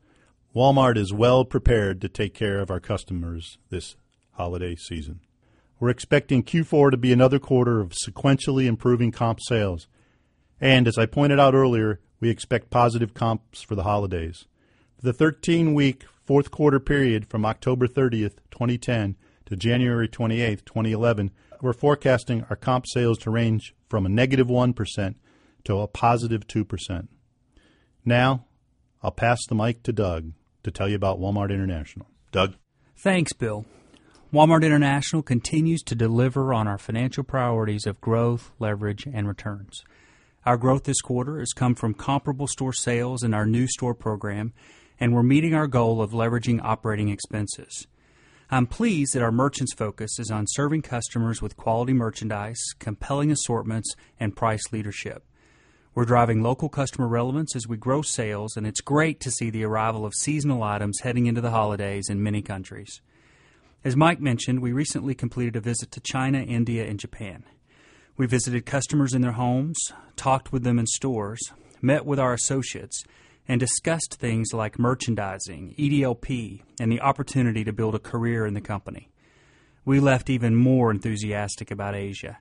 Walmart is well prepared to take care of our customers this holiday season. To be another quarter of sequentially improving comp sales. And as I pointed out earlier, we expect positive comps for the holidays. To the 13 week Q4 period from October 30, 2010 to January 28, 2011, we're forecasting our comp sales to range from a negative 1% to a positive 2%. Now, I'll pass the mic to Doug to tell you about Walmart International. Doug? Thanks, Bill. Walmart International continues to deliver on our financial priorities of growth, leverage, and returns. Our growth this quarter has come from comparable store sales in our new store program, and we're meeting our goal of leveraging operating expenses. I'm pleased that our merchants' focus is on serving customers with quality merchandise, compelling assortments and price leadership. We're driving local customer relevance as we grow sales, and it's great to see the arrival of seasonal items heading into the holidays in many countries. As Mike mentioned, we recently completed a visit to China, India, and Japan. We visited customers in their homes, talked with them in stores, met with our associates, and discussed things like merchandising, EDLP, and the opportunity to build a career in the company. We left even more enthusiastic about Asia.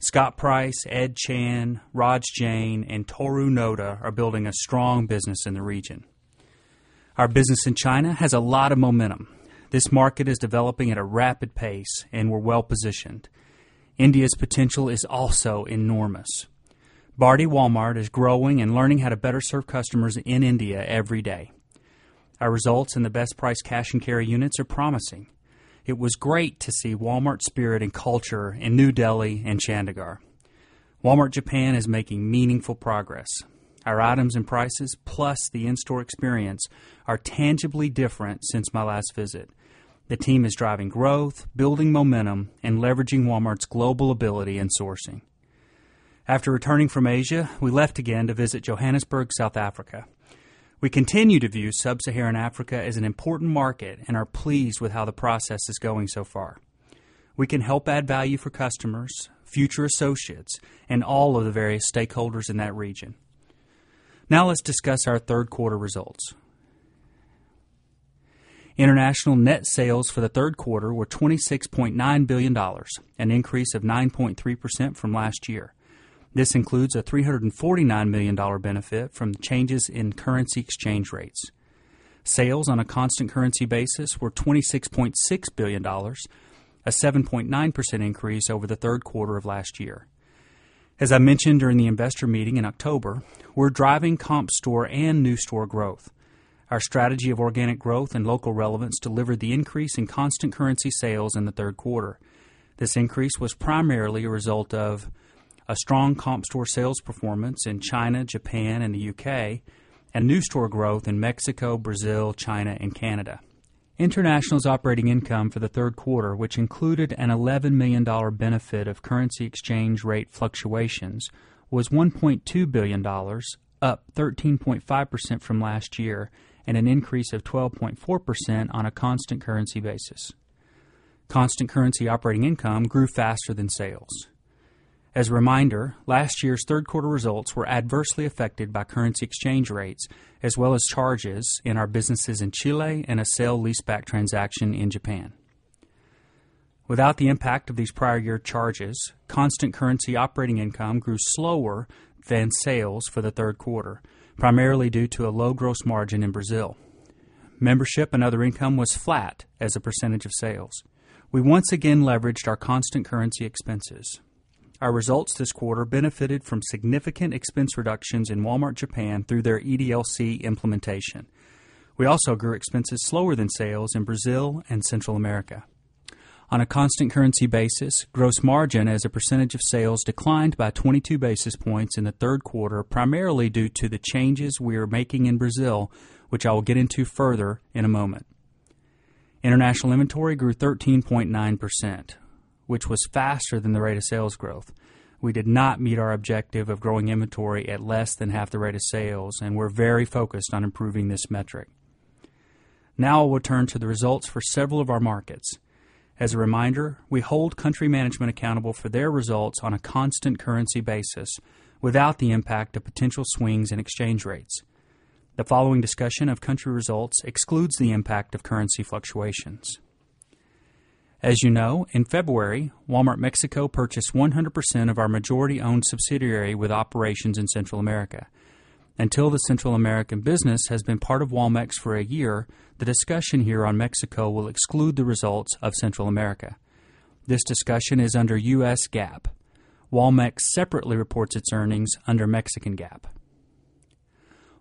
Scott Price, Ed Chan, Raj Jain, and Toru Noda are building a strong business in the region. Our business in China has a lot of momentum. This market is developing at a rapid pace, and we're well positioned. India's potential is also enormous. Barti Walmart is growing and learning how to better serve customers in India every day. Our results in the best price cash and carry units are promising. It was great to see Walmart spirit and culture in New Delhi and Chandigarh. Walmart Japan is making meaningful progress. Our items and prices, plus the in store experience, are tangibly different since my last visit. The team is driving growth, building momentum, and leveraging Walmart's global ability in sourcing. After returning from Asia, we left again to visit Johannesburg, South Africa. We continue to view sub Saharan Africa as an important market and are pleased with how the process is going so far. We can help add value for customers, future associates and all of the various stakeholders in that region. Now let's discuss our 3rd quarter results. International net sales for the Q3 were $26,900,000,000 an increase of 9.3% from last year. This includes a $349,000,000 benefit from changes in currency exchange rates. Sales on a constant currency basis were $26,600,000,000 a 7.9% increase over the Q3 of last year. As I mentioned during the investor meeting in October, we're driving comp store and new store growth. Our strategy of organic growth and local relevance deliver the increase in constant currency sales in the Q3. This increase was primarily a result of a strong comp store sales performance in China, Japan and the U. K. And new store growth in Mexico, Brazil, China and Canada. International's operating income for the Q3, which included an $11,000,000 benefit of currency exchange rate fluctuations, was $1,200,000,000 up 13.5% from last year and an increase of 12.4% on a constant currency basis. Constant currency operating income grew faster than sales. As a reminder, last year's Q3 results were adversely affected by currency exchange rates as well as charges in our businesses in Chile and a sale leaseback transaction in Japan. Without the impact of these prior year charges, constant currency operating income grew slower than sales for the Q3, primarily due to a low gross margin in Brazil. Membership and other income was flat as a percentage of sales. We once again leveraged our constant currency expenses. Our results this quarter benefited from significant expense reductions in Walmart Japan through their EDLC implementation. We also grew expenses slower than sales in Brazil and Central America. On a constant currency basis, gross margin as a percentage of sales declined by 22 basis points in the Q3, primarily due to the changes we are making in Brazil, which I will get into further in a moment. International inventory grew 13.9%, which was faster than the rate of sales growth. We did not meet our objective of growing inventory at less than half the rate of sales, and we're very focused on improving this metric. Now I will turn to the results for several of our markets. As a reminder, we hold country management accountable for their results on a constant currency basis without the impact of potential swings in exchange rates. To the following discussion of country results excludes the impact of currency fluctuations. As you know, in February, Walmart Mexico purchased 100 percent of our majority owned subsidiary with operations in Central America. Until the Central American business has been part of Walmex for a year, the discussion here on Mexico will exclude the results of Central America. This discussion is under U. S. GAAP. Walmex separately reports its earnings under Mexican GAAP.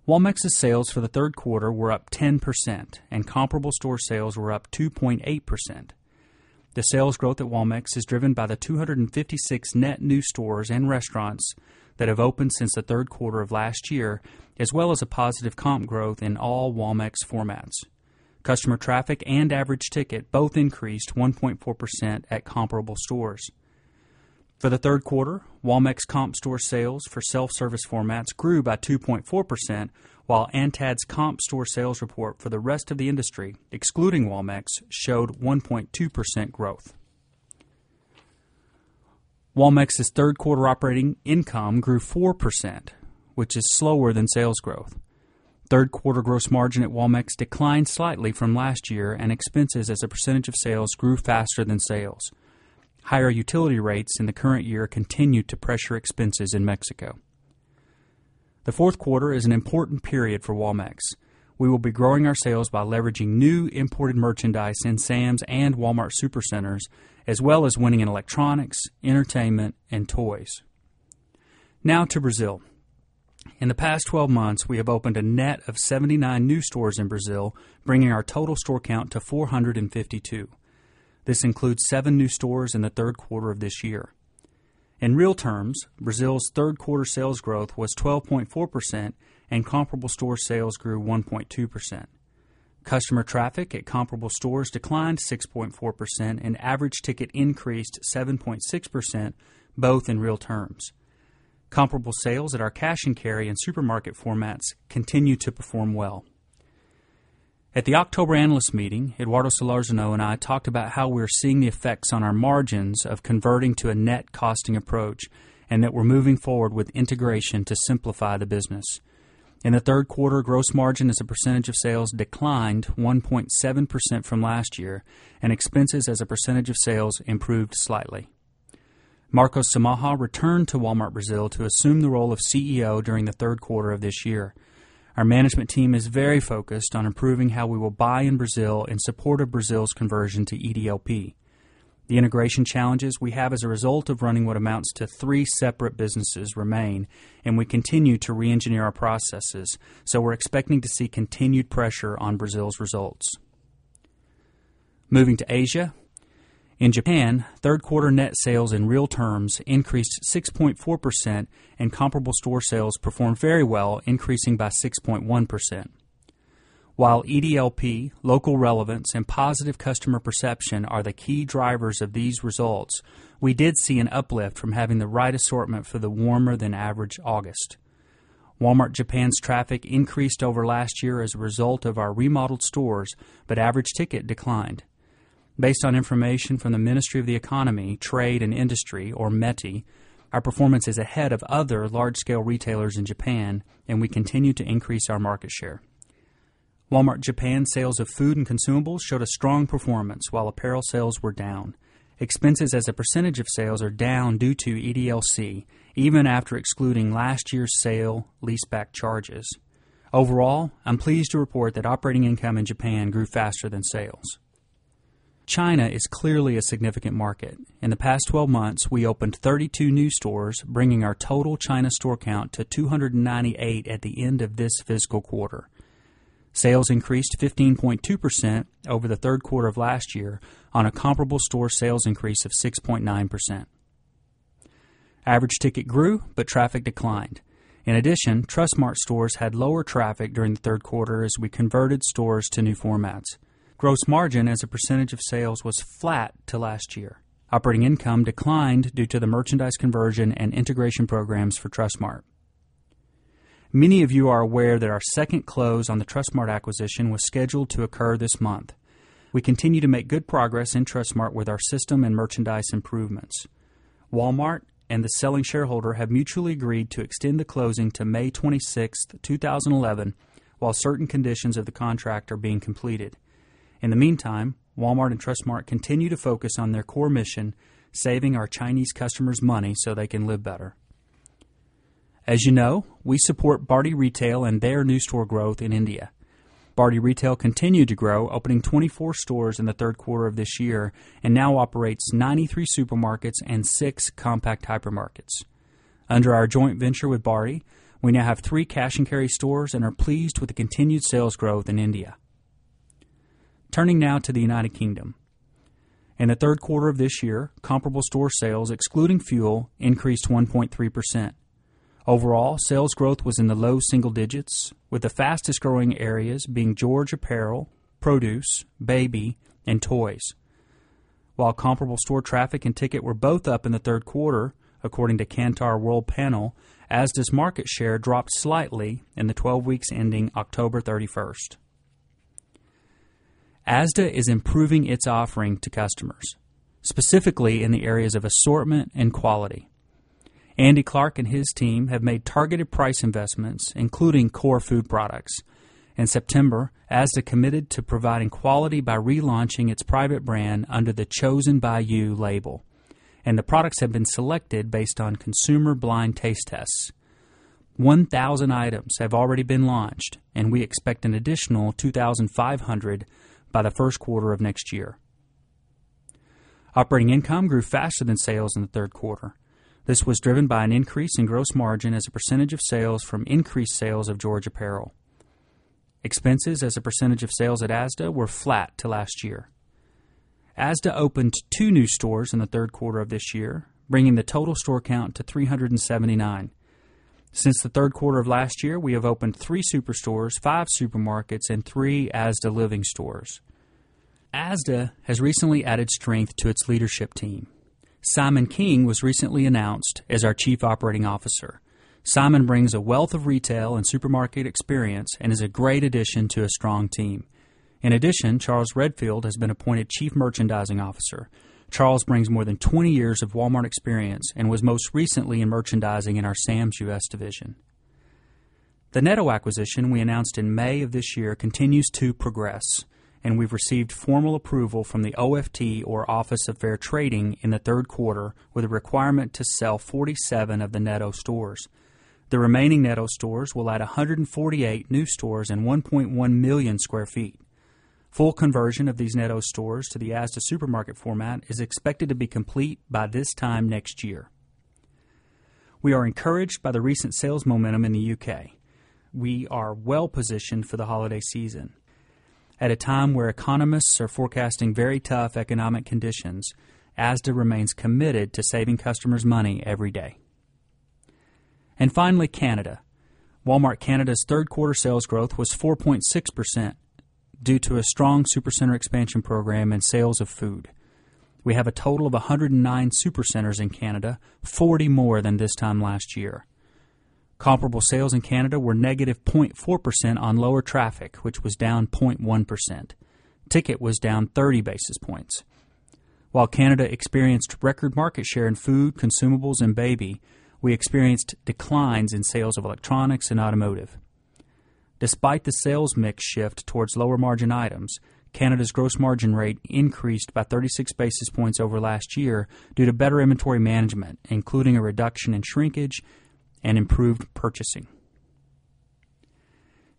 Walmex's sales for the 3rd quarter were up 10% and comparable store sales were up 2.8%. The sales growth at Walmex is driven by the 256 net new stores and restaurants that have opened since the Q3 of last year as well as a positive comp growth in all Walmex formats. Customer traffic and average ticket both to be at least 1.4% at comparable stores. For the Q3, Walmex comp store sales for self-service formats grew by 2.4%, while ANTAD's comp store sales report for the rest of the industry, excluding Walmex, showed 1.2% growth. Walmex's 3rd quarter operating income grew 4%, which is slower than sales growth. 3rd quarter gross margin at Walmex declined slightly from last year and expenses as a percentage of sales grew faster than sales. Higher utility rates in the current year continue to pressure expenses in Mexico. The Q4 is an important period for Walmex. We will be growing our sales by leveraging new imported merchandise in Sam's and Walmart Super Centers, as well as winning in electronics, entertainment and toys. Now to Brazil. In the past 12 months, we have opened a net of 79 new stores in Brazil, bringing our total store count to 452. This includes 7 new stores in the Q3 of this year. In real terms, Brazil's 3rd quarter sales growth was 12.4% And comparable store sales grew 1.2%. Customer traffic at comparable stores declined 6.4%, and average ticket increased 7.6%, both in real terms. Comparable sales at our cash and carry and supermarket formats continue to perform well. At the October analyst meeting, Eduardo Salarzano and I talked about how we're seeing the effects on our margins of converting to a net costing approach and that we're moving forward with integration to simplify the business. In the Q3, gross margin as a percentage of sales declined 1.7% from last year, and expenses as a percentage of sales improved slightly. Marcos Samaha returned to Walmart Brazil to assume the role of CEO during the Q3 of this year. Our management team is very focused on improving how we will buy in Brazil in support of Brazil's conversion to EDLP. The integration challenges we have as a result of running what amounts to 3 separate businesses remain, and we continue to reengineer our processes. So we're expecting to see continued pressure on Brazil's results. Moving to Asia. In Japan, 3rd quarter net sales in real terms increased 6.4% and comparable store sales performed very well, increasing by 6.1%. While EDLP, local relevance, and positive customer perception are the key drivers of these results, we did see an uplift from having the right assortment for the warmer than average August. Walmart Japan's traffic increased over last year as a result of our remodeled stores, But average ticket declined. Based on information from the Ministry of the Economy, Trade and Industry, or METI, our performance is head of other large scale retailers in Japan, and we continue to increase our market share. Walmart Japan sales of food and consumables showed a strong performance, while apparel sales were down. Expenses as a percentage of sales are down due to EDLC, even after excluding last year's sale leaseback charges. Overall, I'm pleased to report that operating income in Japan grew faster than sales. China is clearly a significant market. In the past 12 months, we opened 32 new stores, bringing our total China store count to 298 at the end of this fiscal quarter. Sales increased 15.2% over the Q3 of last year on a comparable store sales increase of 6.9%. Average ticket grew, but traffic declined. In addition, Trustmark stores had lower traffic during the Q3 as we converted stores to new formats. Gross margin as a percentage of sales was flat to last year. Operating income declined due to the merchandise conversion and integration programs for Trustmark. Many of you are aware that our second close on the Trustmark acquisition was scheduled to occur this month. We continue to make good progress in Trustmark with our system and merchandise improvements. Walmart and the selling shareholder have mutually agreed to extend the closing to May 26, 2011, while certain conditions of the contract are being completed. In the meantime, Walmart and Trustmark continue to focus on their core mission, saving our Chinese customers money so they can live better. As you know, we support Bardi Retail and their new store growth in India. Bardi Retail continued to grow, opening 24 stores in the Q3 of this year And now operates 93 supermarkets and 6 compact hypermarkets. Under our joint venture with Bari, we now have 3 cash and carry stores and are pleased with the continued sales growth in India. Turning now to the United Kingdom. In the Q3 of this year, comparable store sales, excluding fuel, increased 1.3%. Overall, sales growth was in the low single digits, with the fastest growing areas being George Apparel, produce, baby and toys. While comparable store traffic and ticket were both up in the 3rd quarter, According to Kantar World Panel, Asda's market share dropped slightly in the 12 weeks ending October 31st. ASDA is improving its offering to customers, specifically in the areas of assortment and quality. Andy Clark and his team have made targeted price investments, including core food products. In September, to providing quality by relaunching its private brand under the chosen by you label, and the products have been selected based on consumer blind taste tests. 1,000 items have already been launched, and we expect an additional 2,500 by the Q1 of next year. Operating income grew faster than sales in the Q3. This was driven by an increase in gross margin as a percentage of sales from increased sales of George Apparel. Expenses as a percentage of sales at Asda were flat to last year. Asda opened 2 new stores in the Q3 of this year, bringing the total store count to 379. Since the Q3 of last year, we have opened 3 superstores, 5 supermarkets and 3 Asda Living Stores. Asda has recently added strength to its leadership team. Simon King was recently announced as our Chief Operating Officer. Simon brings a wealth of retail and supermarket experience and is a great addition to a strong team. In addition, Charles Redfield has been appointed Chief Merchandising Officer. Charles brings more than 20 years of Walmart experience and was most recently in merchandising in our Sam's U. S. Division. The Netto acquisition we announced in May of this year continues to progress, and we've received formal approval from the OFT or Office of Fair Trading in the 3rd quarter with a requirement to sell 47 of the Neto stores. The remaining Neto stores will add 148 new stores and 1,100,000 square feet. Full conversion of these Neto stores to the Asda Supermarket format is expected to be complete by this time next year. We are encouraged by the recent sales momentum in the UK. We are well positioned for the holiday season. At a time where economists are forecasting very tough economic conditions, Asda remains committed to saving customers money every day. And finally, Canada. Walmart Canada's 3rd quarter sales growth was 4.6% due to a strong supercenter expansion program and sales food. We have a total of 109 Supercenters in Canada, 40 more than this time last year. Comparable sales in Canada were negative 0.4% on lower traffic, which was down 0.1%. Ticket was down 30 basis points. While Canada experienced record market share in food, consumables and baby, we experienced declines in sales of electronics and automotive. Despite the sales mix shift towards lower margin items, Canada's gross margin rate increased by 36 basis points over last year due to better inventory management, including a reduction in shrinkage and improved purchasing.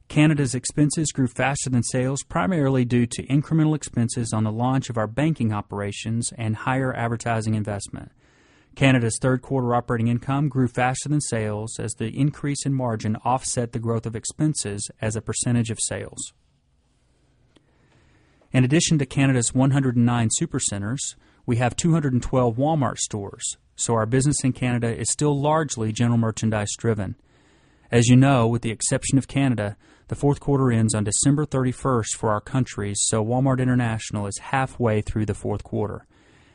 Canada's expenses grew faster than sales, primarily due to incremental expenses on the launch of our banking operations and higher advertising investment. Canada's 3rd quarter operating income grew faster sales as the increase in margin offset the growth of expenses as a percentage of sales. In addition to Canada's 109 supercenters, we have 212 Walmart stores. So our business in Canada is still largely general merchandise driven. As you know, with the exception of Canada, the Q4 ends on December 31st for our country, so Walmart International is halfway through the Q4.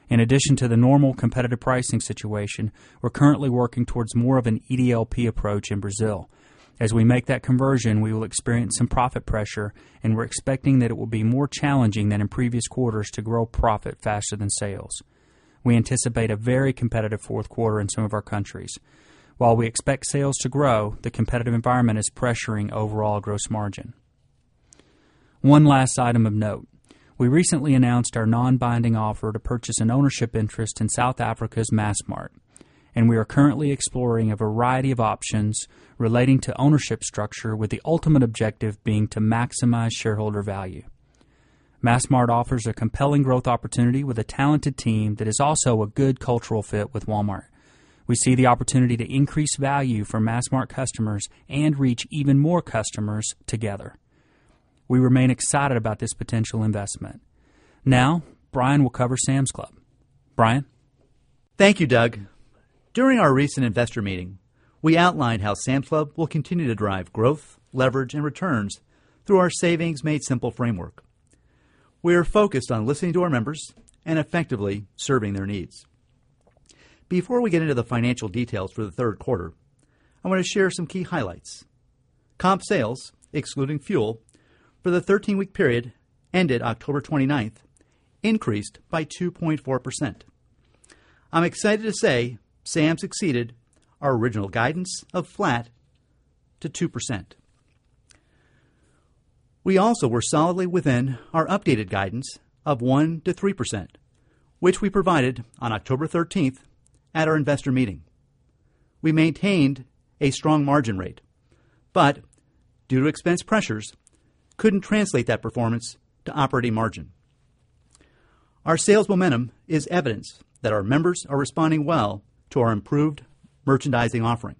In addition to the normal competitive pricing situation, we're currently working towards more of an EDLP approach in Brazil. As we make that conversion, we will to experience some profit pressure, and we're expecting that it will be more challenging than in previous quarters to grow profit faster than sales. We anticipate a very competitive Q4 in some of our countries. While we expect sales to grow, the competitive environment is pressuring overall gross margin. One last item of note. We recently announced our non binding offer to purchase an ownership interest in South Africa's Massmart, And we are currently exploring a variety of options relating to ownership structure with the ultimate objective being to maximize shareholder value. Massmart offers a compelling growth opportunity with a talented team that is also a good cultural fit with Walmart. We see the opportunity to increase value for Massmart customers and reach even more customers together. We remain excited about this potential investment. Now Brian will cover Sam's Club. Brian? Thank you, Doug. During our recent investor meeting, we outlined how Sam's Club will continue to drive growth, leverage and returns through our Savings Made Simple framework. We are focused on listening to our members and effectively serving their needs. Before we get into the financial details for the Q3, I want to share some key highlights. Comp sales, excluding fuel, for the 13 week period ended October 29, increased by 2.4%. I'm excited to say Sam succeeded our original guidance of flat to 2%. We also were solidly within our updated guidance Of 1% to 3%, which we provided on October 13 at our investor meeting. We maintained a strong margin rate, but to due to expense pressures, couldn't translate that performance to operating margin. Our sales momentum is evidence that our members are responding well to our improved merchandising offering.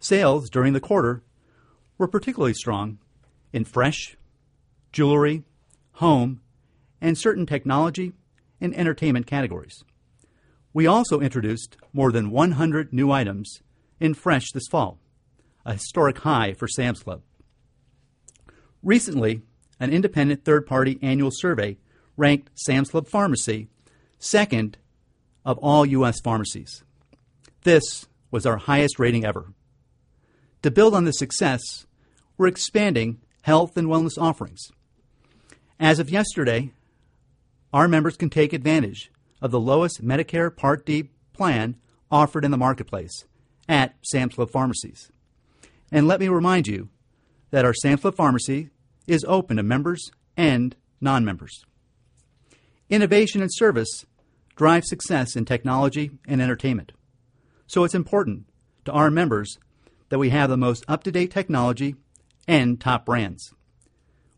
Sales during the quarter were particularly strong in fresh, jewelry, home And certain technology and entertainment categories. We also introduced more than 100 new items in fresh this fall, a historic high for Sam's Club. Recently, an independent third party annual survey ranked Sam's Club Pharmacy 2nd, of all U. S. Pharmacies. This was our highest rating ever. To build on this success, We're expanding health and wellness offerings. As of yesterday, our members can take advantage of the lowest Medicare Part D plan offered in the marketplace at Samsla Pharmacies. And let me remind you that our Sampler Pharmacy is open to members and non members. Innovation and service drive success in technology and entertainment. So it's important to our members that we have the most up to date technology and top brands.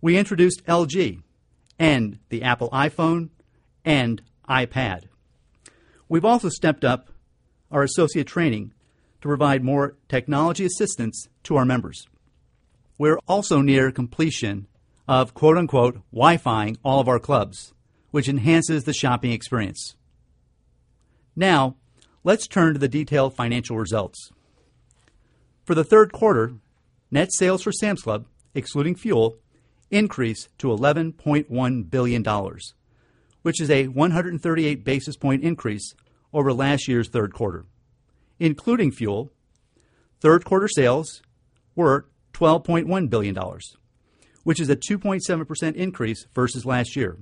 We introduced LG and the Apple iPhone and iPad. We've also stepped up our associate training to provide more technology assistance to our members. We're also near completion of WiFi ing all of our clubs, Which enhances the shopping experience. Now let's turn to the detailed financial results. For the Q3, net sales for Sam's Club, excluding fuel, increased to $11,100,000,000 Which is a 138 basis point increase over last year's Q3. Including fuel, 3rd quarter sales were $12,100,000,000 which is a 2.7% increase versus last year,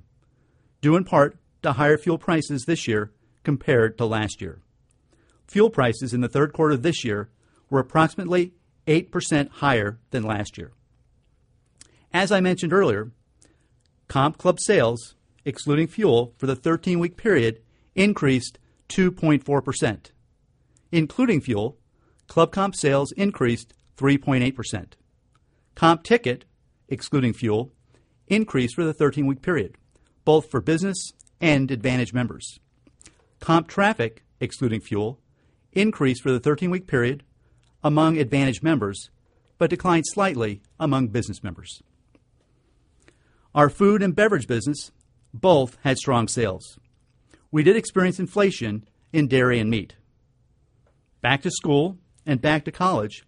due in part to higher fuel prices this year compared to last year. Fuel prices in the Q3 this year were approximately 8% higher than last year. As I mentioned earlier, comp club sales, excluding fuel for the 13 week period, increased 2.4%. Including fuel, club comp sales increased 3.8%. Comp ticket, excluding fuel, increase for the 13 week period, both for business and Advantage members. Comp traffic, excluding fuel, Increased for the 13 week period among Advantage members, but declined slightly among business members. Our food and beverage business both had strong sales. We did experience inflation in dairy and meat. Back to school and back to college,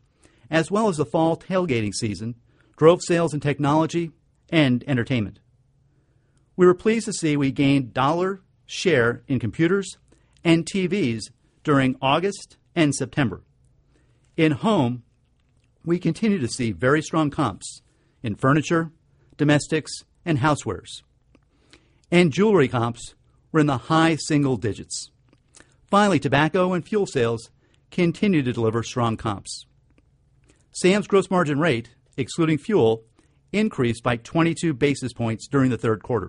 as well as the fall tailgating season, drove sales and technology and entertainment. We were pleased to see we gained dollar share in computers and TVs during August September. In home, We continue to see very strong comps in furniture, domestics and housewares. And jewelry comps were in the high single digits. Finally, tobacco and fuel sales continue to deliver strong comps. Sam's gross margin rate, excluding fuel, increased by 22 basis points during the Q3,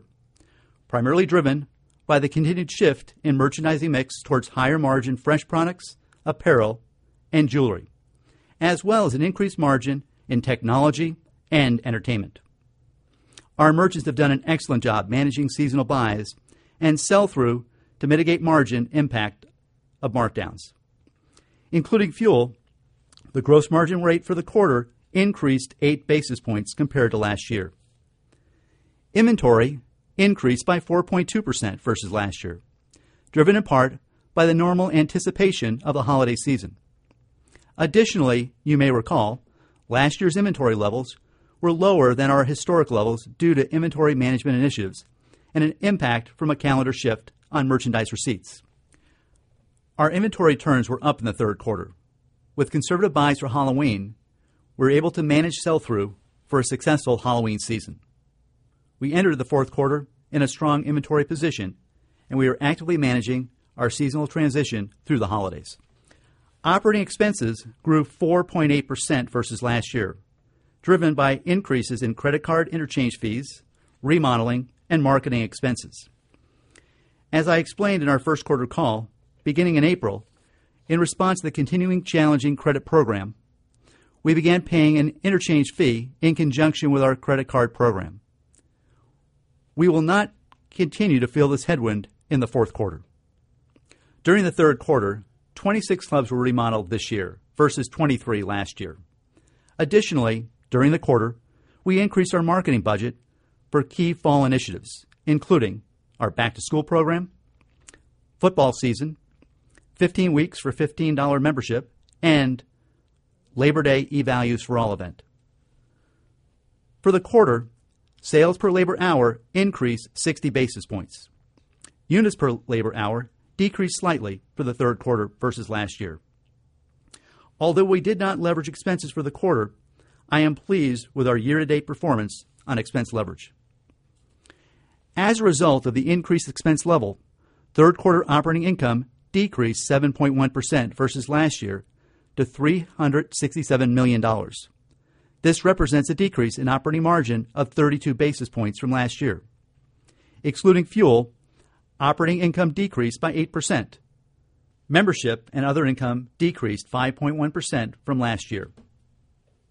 primarily driven by the continued shift in merchandising mix towards higher margin fresh products, apparel and jewelry, as well as an increased margin in technology and entertainment. Our merchants have done an excellent job managing seasonal buys and sell through to mitigate margin impact of markdowns. Including fuel, the gross margin rate for the quarter increased 8 basis points compared to last year. Inventory increased by 4.2% versus last year, driven in part by the normal anticipation of the holiday season. Additionally, you may recall, last year's inventory levels were lower than our historic levels due to inventory management initiatives And an impact from a calendar shift on merchandise receipts. Our inventory turns were up in the 3rd quarter. With conservative buys for Halloween, we're able to manage sell through for a successful Halloween season. We entered the Q4 in a strong inventory position, And we are actively managing our seasonal transition through the holidays. Operating expenses grew 4.8% versus last year, driven by increases in credit card interchange fees, remodeling and marketing expenses. As I explained in our Q1 call, beginning in April, in response to the continuing challenging credit program, we began paying an interchange fee in conjunction with our credit card program. We will not continue to feel this headwind in the Q4. During the Q3, 26 clubs were remodeled this year versus 23 last year. Additionally, during the quarter, we increased our marketing budget for key fall initiatives, including our back to school program, football season, 15 weeks for $15 membership and Labor Day e values for all event. For the quarter, sales per labor hour increased 60 basis points. Units per labor hour decreased slightly for the Q3 versus last year. Although we did not leverage expenses for the quarter, I am pleased with our year to date performance on expense leverage. As a result of the increased expense level, 3rd quarter operating income decreased 7.1 percent versus last year to $367,000,000 This represents a decrease in operating margin of 32 basis points from last year. Excluding fuel, operating income decreased by 8%. Membership and other income decreased 5.1% from last year.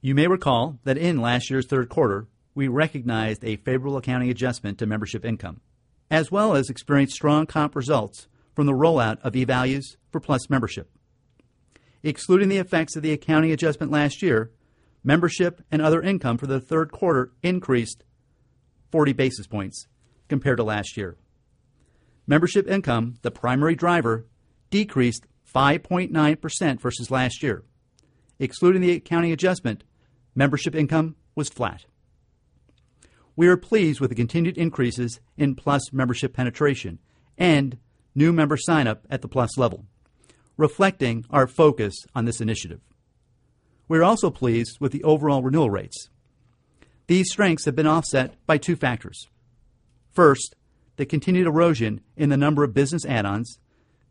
You may recall that in last year's Q3, We recognized a favorable accounting adjustment to membership income as well as experienced strong comp results from the rollout of e values for Plus membership. Excluding the effects of the accounting adjustment last year, membership and other income for the Q3 increased 40 basis points compared to last year. Membership income, the primary driver, decreased 5.9% versus last year. Excluding the accounting adjustment, membership income was flat. We are pleased with the continued increases in Plus membership penetration and new member sign up at the plus level, reflecting our focus on this initiative. We're also pleased with the overall renewal rates. These strengths have been offset by 2 factors. First, the continued erosion in the number of business add ons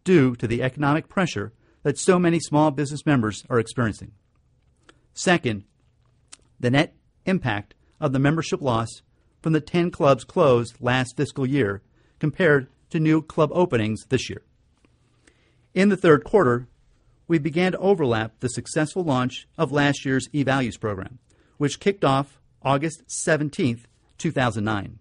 due to the economic pressure that so many small business members are experiencing. 2nd, the net impact of the membership loss from the 10 clubs closed last fiscal year compared to new club openings this year. In the Q3, we began to overlap the successful launch of last year's eValuys program, which kicked off August 17, to 2,009.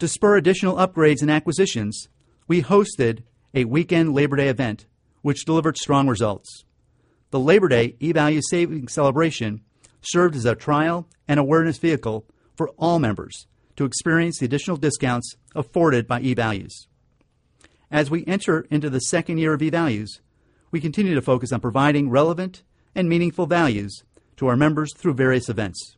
To spur additional upgrades and acquisitions, we hosted a weekend Labor Day event, which delivered strong results. To The Labor Day eValue Savings Celebration serves as a trial and awareness vehicle for all members to experience the additional discounts afforded by e values. As we enter into the 2nd year of eValuys, we continue to focus on providing relevant and meaningful values to our members through various events.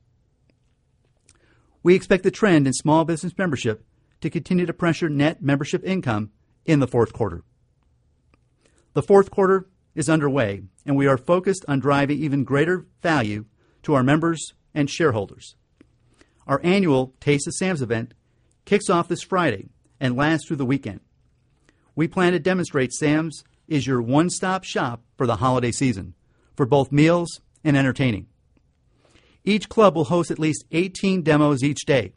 We expect the trend in small business membership to continue to pressure net membership income in the 4th quarter. The Q4 is underway, and we are focused on driving even greater value to our members and shareholders. Our annual Taste of Sam's event kicks off this Friday and lasts through the weekend. We plan to demonstrate Sam's is your one stop shop for the holiday season for both meals and entertaining. Each club will host at least 18 demos each day.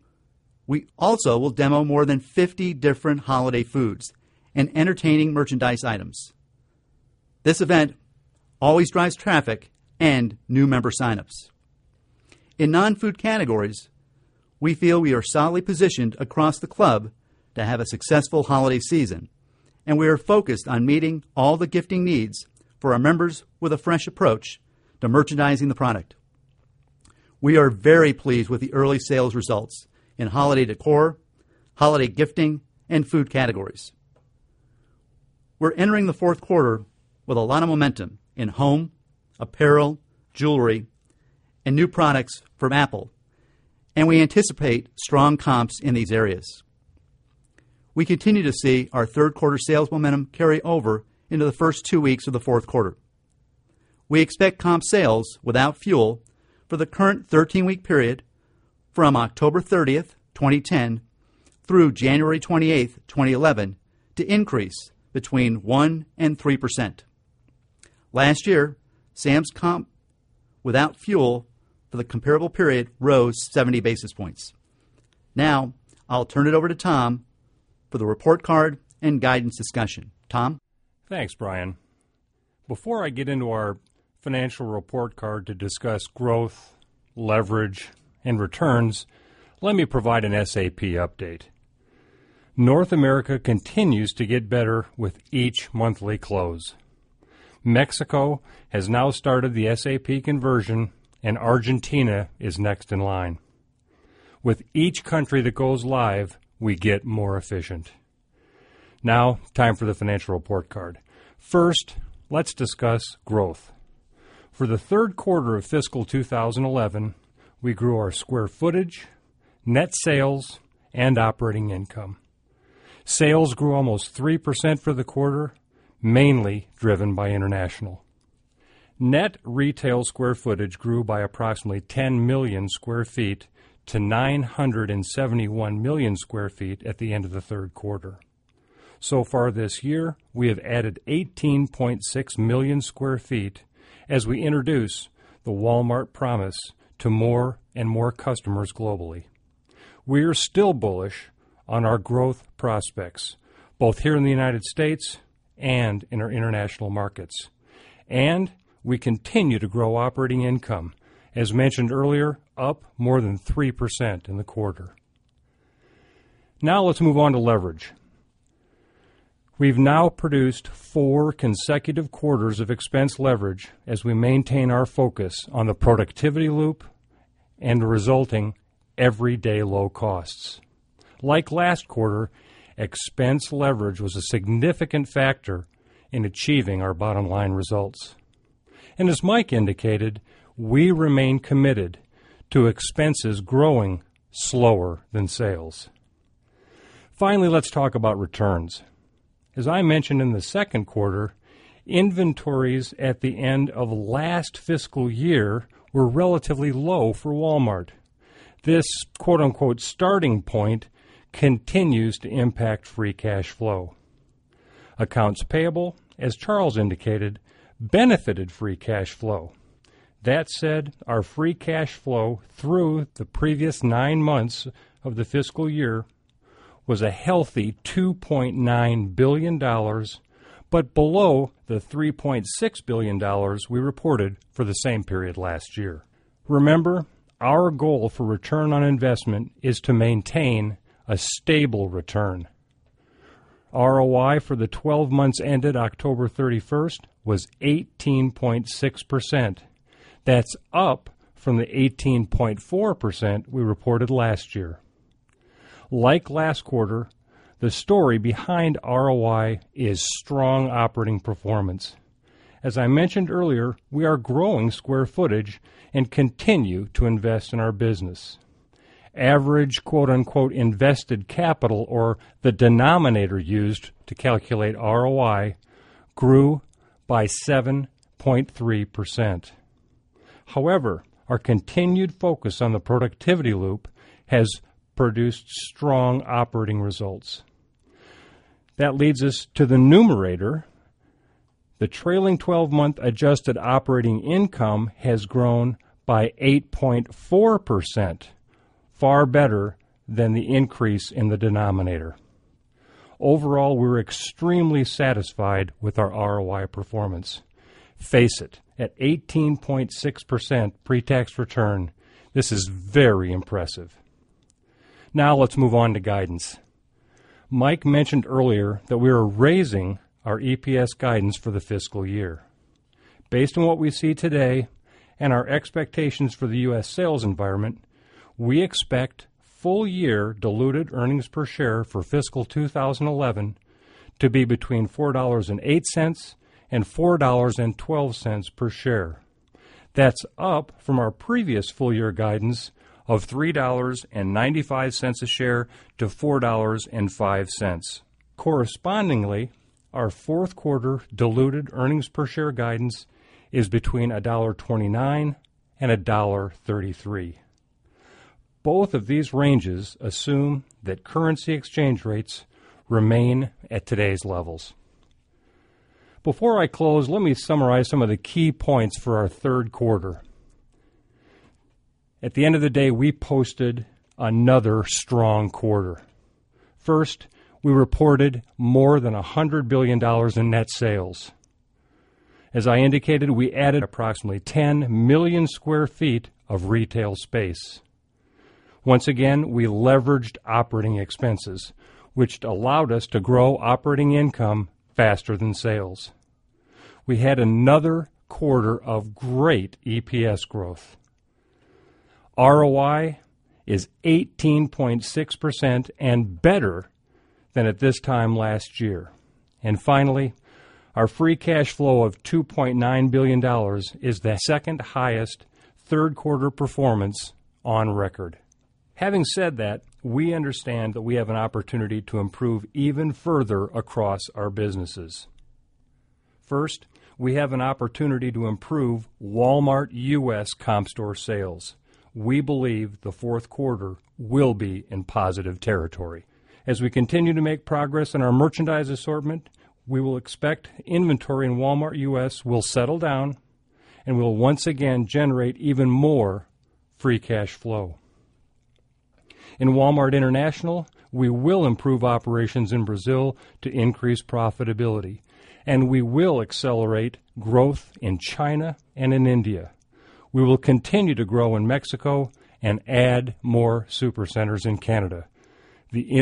We also will demo more than 50 different holiday foods and entertaining merchandise items. This event always drives traffic and new member sign ups. In non food categories, we feel we are solidly positioned across the club to have a successful holiday season. And we are focused on meeting all the gifting needs for our members with a fresh approach to merchandising the product. We are very pleased with the early sales results in holiday decor, holiday gifting and food categories. We're entering the Q4 with a lot of momentum in home, apparel, jewelry and new products from Apple, and we anticipate strong comps in these areas. We continue to see our 3rd quarter sales momentum carry over into the 1st 2 weeks of the Q4. We expect comp sales without fuel for the current 13 week period to increase between 1% and 3%. Last year, Sam's comp without fuel for the comparable period rose 70 basis points. Now I'll turn it over to Tom for the report card and guidance discussion. Tom? Thanks, Brian. Before I get into our financial report card to discuss growth, leverage and returns, let me provide an SAP update North America continues to get better with each monthly close Mexico has now started the SAP conversion and Argentina is next in line. With each country that goes live, we get more efficient. Now time for the financial report card. First, let's discuss growth. For the Q3 of fiscal 2011, we grew our square footage, net sales and operating income. Sales grew almost 3% for the quarter mainly driven by international net retail square footage grew by approximately 10,000,000 square feet to 971,000,000 square feet at the end of the third quarter. So far this year, we have added 18,600,000 square feet as we introduce the Walmart promise to more and more customers globally. We are still bullish on our growth prospects, both here in the United States and in our international markets. And we continue to grow operating income, as mentioned earlier, up more than 3% in the quarter. Now let's move on to leverage. We've now produced 4 consecutive quarters of expense leverage as we maintain our focus on the productivity loop and resulting everyday low costs. Like last quarter, expense leverage was a significant factor in achieving our bottom line results. And as Mike indicated, we remain committed to expenses growing slower than sales. Finally, let's talk about returns. As I mentioned in the Q2, inventories at the end of last fiscal year were relatively low for Walmart. This quote unquote starting point continues to impact free cash flow. Accounts payable as Charles indicated benefited free cash flow. That said, our free cash flow through the previous 9 months of the fiscal year was a healthy $2,900,000,000 but below the $3,600,000,000 we reported for the same period last year. To remember our goal for return on investment is to maintain a stable return. ROI for the 12 months ended October 31st was 18.6%. That's up from the 18.4% we reported last year. Like last quarter, the story behind ROI is strong operating performance. As I mentioned earlier, we are growing square footage and continue to invest in our business. Average quote unquote invested capital or the denominator used to calculate ROI grew by 7.3%. However our continued focus on the productivity loop has produced strong operating results. That leads us to the numerator. The trailing 12 month adjusted operating income has grown by 8.4 percent far better than the increase in the denominator. To overall we're extremely satisfied with our ROI performance. Face it at 18.6 percent pre tax return to this is very impressive. Now let's move on to guidance. Mike mentioned earlier that we are raising our EPS guidance for the fiscal year. Based on what we see today and our expectations for the U. S. Sales environment, to be between $4.08 and $4.12 per share. That's up from our previous full year guidance of $3.95 a share to $4.05 Correspondingly, our 4th quarter diluted earnings per share guidance is between $1.29 $1.33 Both of these ranges assume that currency exchange rates to remain at today's levels. Before I close, let me summarize some of the key points for our Q3. At the end of the day we posted another strong quarter. First, we reported more than $100,000,000,000 in net sales. As I indicated, we added approximately 10,000,000 square feet of retail space. Once again we leveraged operating expenses which allowed us to grow operating income faster than sales. We had another quarter of great EPS growth. ROI is 18.6 percent and better than at this time last year. And finally, our free cash flow of $2,900,000,000 is the 2nd highest 3rd quarter performance on record. Having said that, we understand that we have an opportunity to improve even further across our businesses. 1st, we have an opportunity to improve Walmart U. S. Comp store sales. We believe the Q4 will be in positive territory. As we continue to make progress in our merchandise assortment, we will expect inventory in Walmart U. S. Will settle down and will once again generate even more free cash flow. In Walmart International, we will improve operations in Brazil to increase profitability and we will accelerate growth in China and in India. We will continue to grow in Mexico and add more supercenters in Canada. The